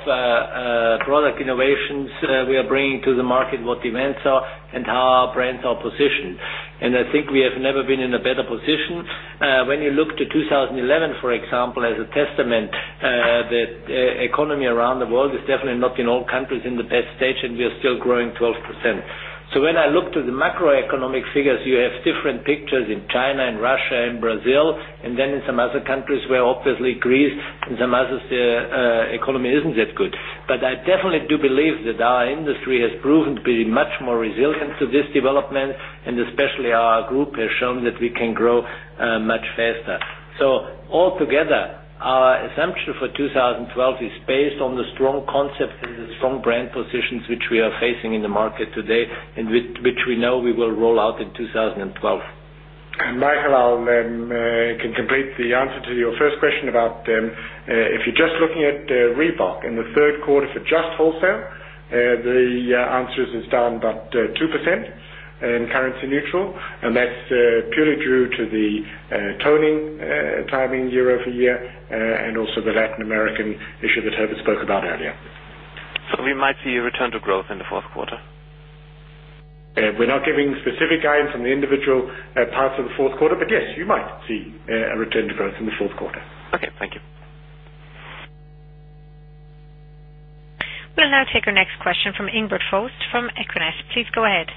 product innovations we are bringing to the market, what the events are, and how our brands are positioned. I think we have never been in a better position. When you look to 2011, for example, as a testament, the economy around the world is definitely not in all countries in the best stage, and we are still growing 12%. When I look to the macroeconomic figures, you have different pictures in China and Russia and Brazil, and then in some other countries where obviously Greece and some others, the economy isn't that good. I definitely do believe that our industry has proven to be much more resilient to this development, and especially our group has shown that we can grow much faster. Altogether, our assumption for 2012 is based on the strong concepts and the strong brand positions which we are facing in the market today and which we know we will roll out in 2012. Michael, I'll contemplate the answer to your first question about if you're just looking at Reebok in the third quarter for just wholesale, the answer is it's down about 2% in currency-neutral, and that's purely due to the toning timing year over year and also the Latin American issue that Herbert spoke about earlier. Might we see a return to growth in the fourth quarter? We're not giving specific guidance on the individual parts of the fourth quarter, but yes, you might see a return to growth in the fourth quarter. Okay, thank you. We'll now take our next question from Ingbert Faust from BNP equinet. Please go ahead.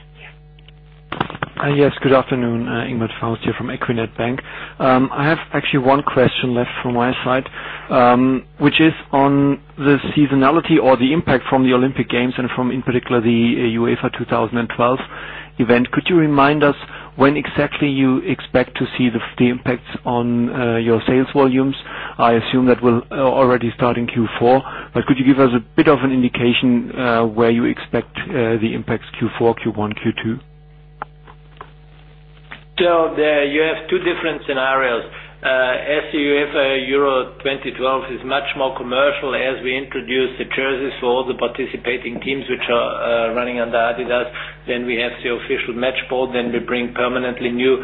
Yes, good afternoon. Ingbert Faust here from equinet Bank. I have actually one question left from my side, which is on the seasonality or the impact from the Olympic Games and from, in particular, the UEFA 2012 event. Could you remind us when exactly you expect to see the impacts on your sales volumes? I assume that we're already starting Q4, but could you give us a bit of an indication where you expect the impacts Q4, Q1, Q2? You have two different scenarios. As UEFA Euro 2012 is much more commercial, as we introduce the jerseys for all the participating teams which are running under adidas, we have the official match ball, and we bring permanently new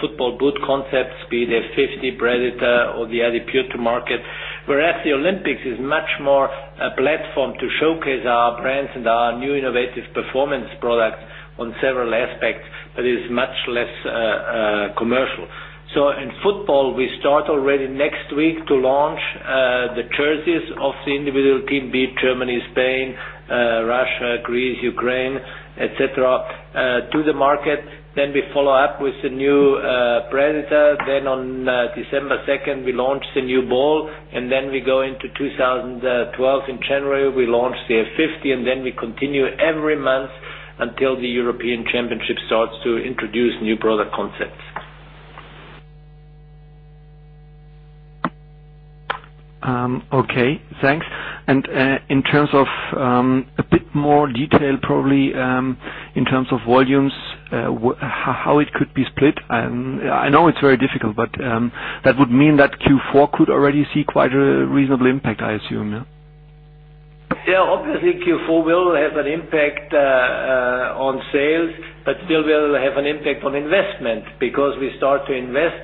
football boot concepts, be it F50, Predator, or the Adipure to market. Whereas the Olympics is much more a platform to showcase our brands and our new innovative performance products on several aspects, it is much less commercial. In football, we start already next week to launch the jerseys of the individual team, be it Germany, Spain, Russia, Greece, Ukraine, etc., to the market. We follow up with the new Predator. On December 2, we launch the new ball, and we go into 2012 in January. We launch the F50, and we continue every month until the European Championship starts to introduce new product concepts. Okay, thanks. In terms of a bit more detail, probably in terms of volumes, how it could be split. I know it's very difficult, but that would mean that Q4 could already see quite a reasonable impact, I assume. Yeah, obviously Q4 will have an impact on sales, but it will have an impact on investment because we start to invest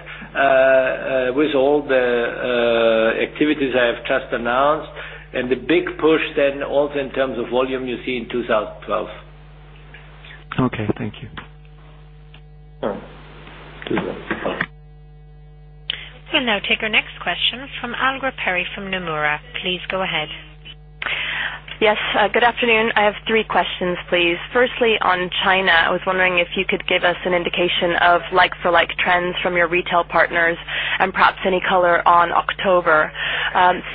with all the activities I have just announced, and the big push then also in terms of volume you see in 2012. Okay, thank you. All right. will now take our next question from Allegra Perry from Nomura. Please go ahead. Yes, good afternoon. I have three questions, please. Firstly, on China, I was wondering if you could give us an indication of like-for-like trends from your retail partners and perhaps any color on October.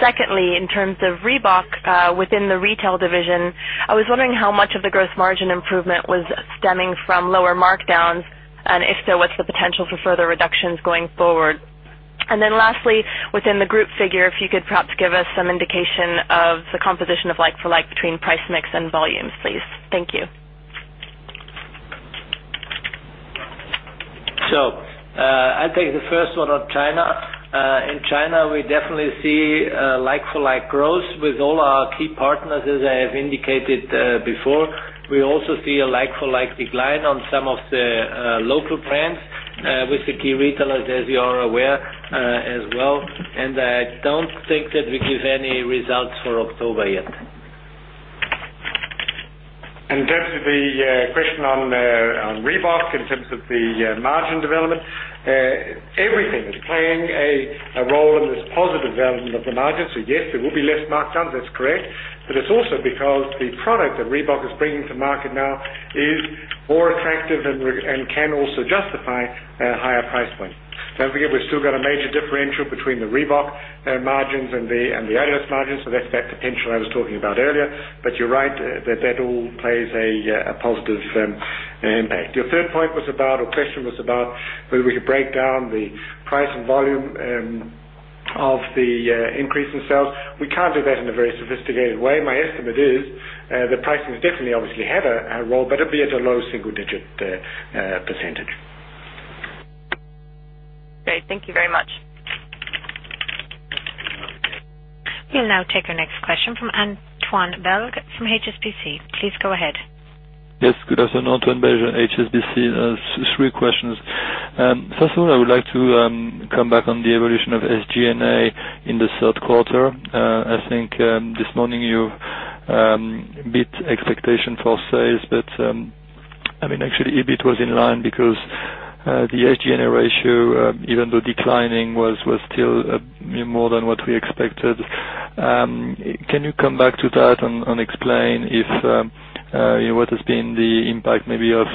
Secondly, in terms of Reebok within the retail division, I was wondering how much of the gross margin improvement was stemming from lower markdowns, and if so, what's the potential for further reductions going forward? Lastly, within the group figure, if you could perhaps give us some indication of the composition of like-for-like between price mix and volumes, please. Thank you. I'll take the first one on China. In China, we definitely see like-for-like growth with all our key partners, as I have indicated before. We also see a like-for-like decline on some of the local brands with the key retailers, as you are aware, as well. I don't think that we give any results for October yet. That's the question on Reebok in terms of the margin development. Everything is playing a role in this positive development of the margins. Yes, there will be less markdowns, that's correct, but it's also because the product that Reebok is bringing to market now is more attractive and can also justify a higher price point. Don't forget, we've still got a major differential between the Reebok margins and the adidas margins, so that's that potential I was talking about earlier. You're right that that all plays a positive impact. Your third point was about, or question was about, whether we could break down the price and volume of the increase in sales. We can't do that in a very sophisticated way. My estimate is that pricing will definitely obviously have a role, but it'll be at a low single-digit percentage. Great, thank you very much. We'll now take our next question from Antoine Belge from HSBC. Please go ahead. Yes, good afternoon, Antoine Belg at HSBC. Three questions. First of all, I would like to come back on the evolution of SG&A in the third quarter. I think this morning you beat expectation for sales, but actually, EBIT was in line because the SG&A ratio, even though declining, was still more than what we expected. Can you come back to that and explain what has been the impact maybe of,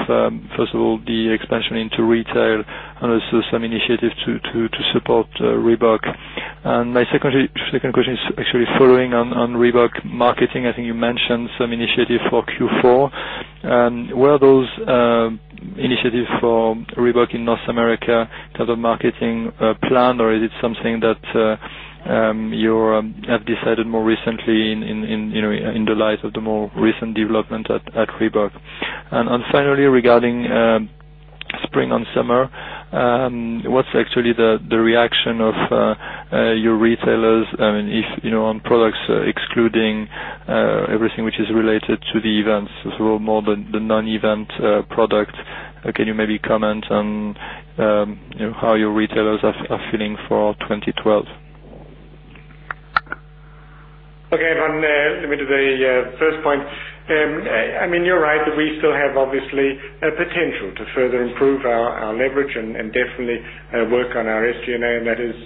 first of all, the expansion into retail and also some initiatives to support Reebok? My second question is actually following on Reebok marketing. I think you mentioned some initiatives for Q4. What are those initiatives for Reebok in North America in terms of marketing plan, or is it something that you have decided more recently in the light of the more recent development at Reebok? Finally, regarding spring and summer, what's actually the reaction of your retailers? If you know on products excluding everything which is related to the events, so more than the non-event product, can you maybe comment on how your retailers are feeling for 2012? Okay, Antoine, let me do the first point. I mean, you're right that we still have obviously a potential to further improve our leverage and definitely work on our SG&A, and that is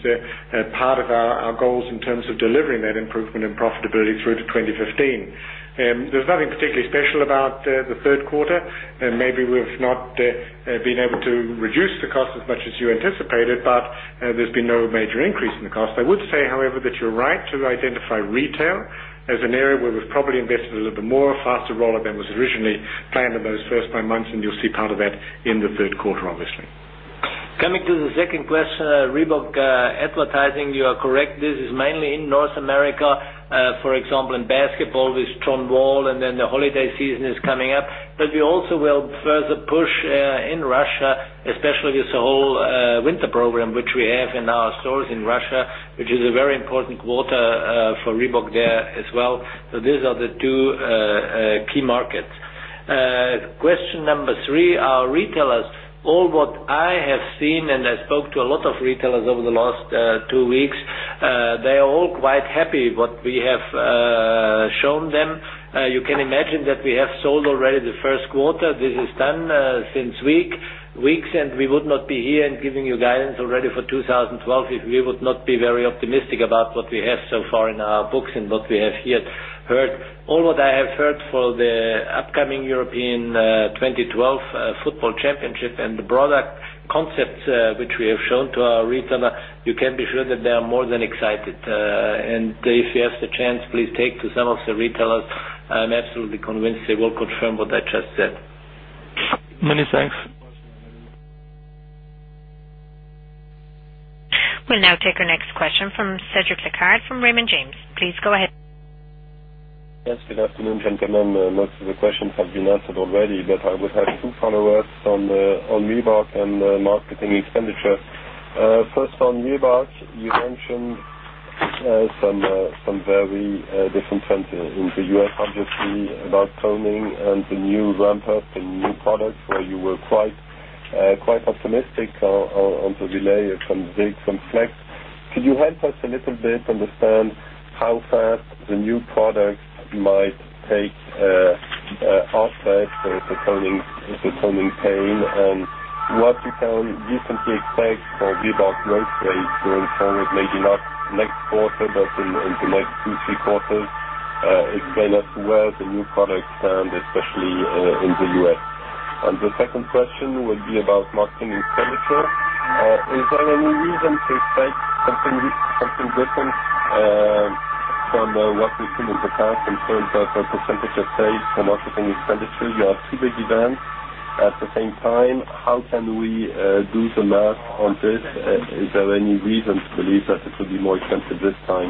part of our goals in terms of delivering that improvement in profitability through to 2015. There's nothing particularly special about the third quarter. Maybe we've not been able to reduce the cost as much as you anticipated, but there's been no major increase in the cost. I would say, however, that you're right to identify retail as an area where we've probably invested a little bit more, a faster roll-out than was originally planned in those first five months, and you'll see part of that in the third quarter, obviously. Coming to the second question, Reebok advertising, you are correct. This is mainly in North America, for example, in basketball with John Wall, and then the holiday season is coming up. We also will further push in Russia, especially with the whole winter program, which we have in our stores in Russia, which is a very important quarter for Reebok there as well. These are the two key markets. Question number three, our retailers, all what I have seen, and I spoke to a lot of retailers over the last two weeks, they are all quite happy with what we have shown them. You can imagine that we have sold already the first quarter. This has been done since weeks, and we would not be here and giving you guidance already for 2012 if we would not be very optimistic about what we have so far in our books and what we have heard. All what I have heard for the upcoming European 2012 football championship and the product concepts which we have shown to our retailer, you can be sure that they are more than excited. If you have the chance, please talk to some of the retailers. I'm absolutely convinced they will confirm what I just said. Many thanks. We'll now take our next question from Cedric Lecasble from Raymond James. Please go ahead. Yes, good afternoon, gentlemen. Most of the questions have been answered already, but I would have two follow-ups on Reebok and marketing expenditure. First, on Reebok, you mentioned some very different trends in the U.S., obviously, about toning and the new ramp-up in new products where you were quite optimistic on the delay from Flex. Could you help us a little bit to understand how fast the new product might take offsite if the toning is the pain and what you can decently expect for Reebok North America going forward, maybe not next quarter, but in the next two, three quarters, explain to us where the new product stands, especially in the U.S. The second question would be about marketing expenditure. Is there any reason to expect something different from what we've seen in the past in terms of the percentage of sales for marketing expenditure? You are a pretty big event. At the same time, how can we do the math on this? Is there any reason to believe that it would be more expensive this time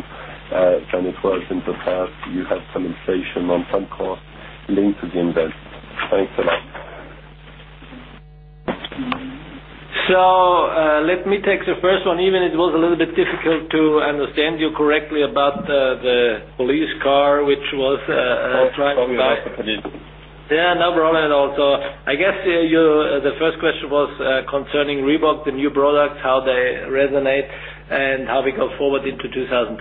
than it was in the past? You had some inflation on some core linked to the event. Thanks for that. Let me take the first one, even if it was a little bit difficult to understand you correctly about the police car, which was driving by. Yeah, no problem at all. I guess the first question was concerning Reebok, the new products, how they resonate, and how we go forward into 2012.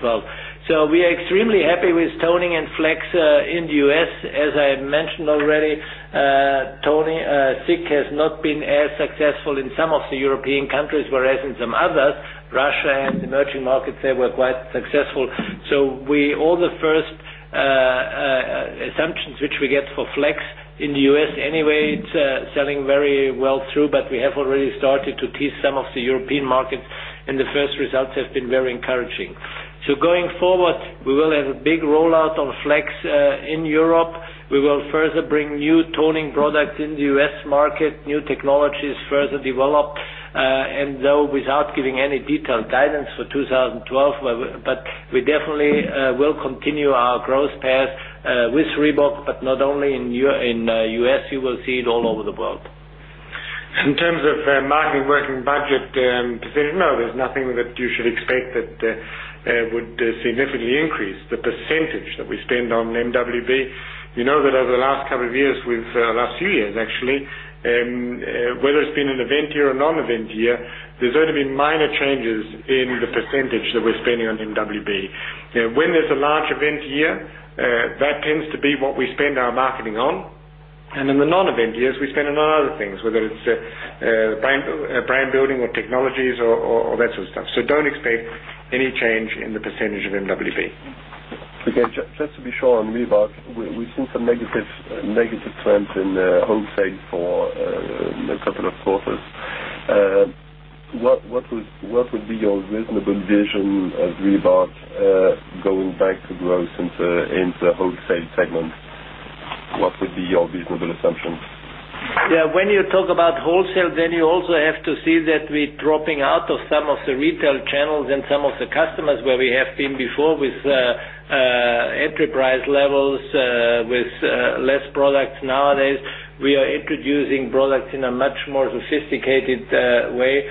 We are extremely happy with toning and Flex in the U.S. As I mentioned already, ZIC has not been as successful in some of the European countries, whereas in some others, Russia and emerging markets, they were quite successful. All the first assumptions which we get for Flex in the U.S., anyway, it's selling very well through, but we have already started to tease some of the European markets, and the first results have been very encouraging. Going forward, we will have a big rollout on Flex in Europe. We will further bring new toning products in the U.S. market, new technologies further developed, and though without giving any detailed guidance for 2012, we definitely will continue our growth paths with Reebok, but not only in the U.S. You will see it all over the world. In terms of marketing working budget position, no, there's nothing that you should expect that would significantly increase the percentage that we spend on MWB. You know that over the last couple of years, with the last few years actually, whether it's been an event year or a non-event year, there's only been minor changes in the percentage that we're spending on MWB. When there's a large event year, that tends to be what we spend our marketing on. In the non-event years, we spend it on other things, whether it's brand building or technologies or that sort of stuff. Don't expect any change in the percentage of MWB. Okay, just to be sure on Reebok, we've seen some negative trends in the wholesale for a couple of quarters. What would be your reasonable vision of Reebok going back to growth into the wholesale segment? What would be your reasonable assumption? Yeah, when you talk about wholesale, you also have to see that we're dropping out of some of the retail channels and some of the customers where we have been before with enterprise levels, with less products nowadays. We are introducing products in a much more sophisticated way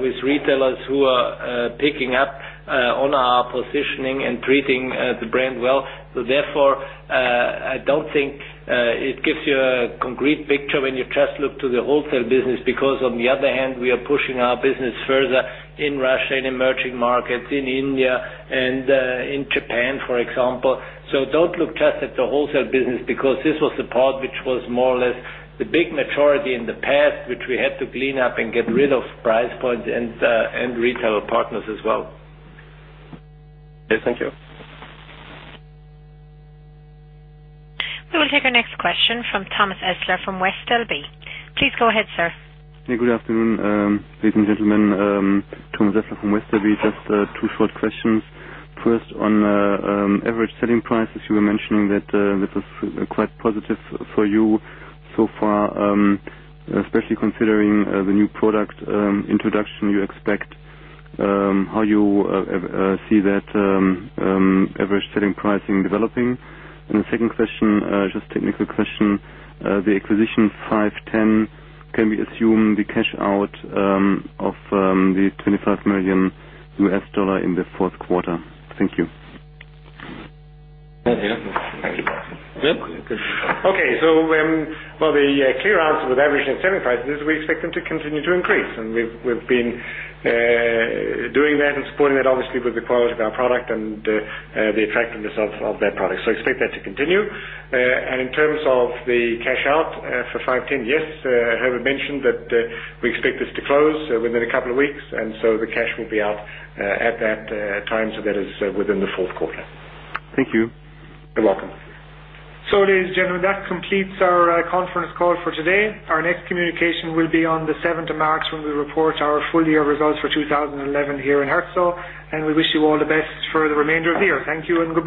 with retailers who are picking up on our positioning and treating the brand well. Therefore, I don't think it gives you a concrete picture when you just look to the wholesale business because, on the other hand, we are pushing our business further in Russia/CIS and emerging markets, in India, and in Japan, for example. Don't look just at the wholesale business because this was the part which was more or less the big majority in the past, which we had to clean up and get rid of price points and retail partners as well. Okay, thank you. We will take our next question from [Thomas Essler from West Delby]. Please go ahead, sir. Good afternoon, ladies and gentlemen. [Thomas from West Delby], just two short questions. First, on average selling prices, you were mentioning that this was quite positive for you so far, especially considering the new product introduction you expect. How you see that average selling pricing developing? The second question, just a technical question. The acquisition Five Ten, can we assume the cash out of the $25 million in the fourth quarter? Thank you. That's enough. Yeah? Yeah, good. Okay. The clear answer with average selling prices is we expect them to continue to increase. We've been doing that and supporting that, obviously, with the quality of our product and the effectiveness of that product. I expect that to continue. In terms of the cash out for Five Ten, yes, Herbert mentioned that we expect this to close within a couple of weeks, and so the cash will be out at that time. That is within the fourth quarter. Thank you. You're welcome. It is [Jan Runau]. That completes our conference call for today. Our next communication will be on the seventh of March when we report our full year results for 2011 here in Herzogenaurach. We wish you all the best for the remainder of the year. Thank you and good luck.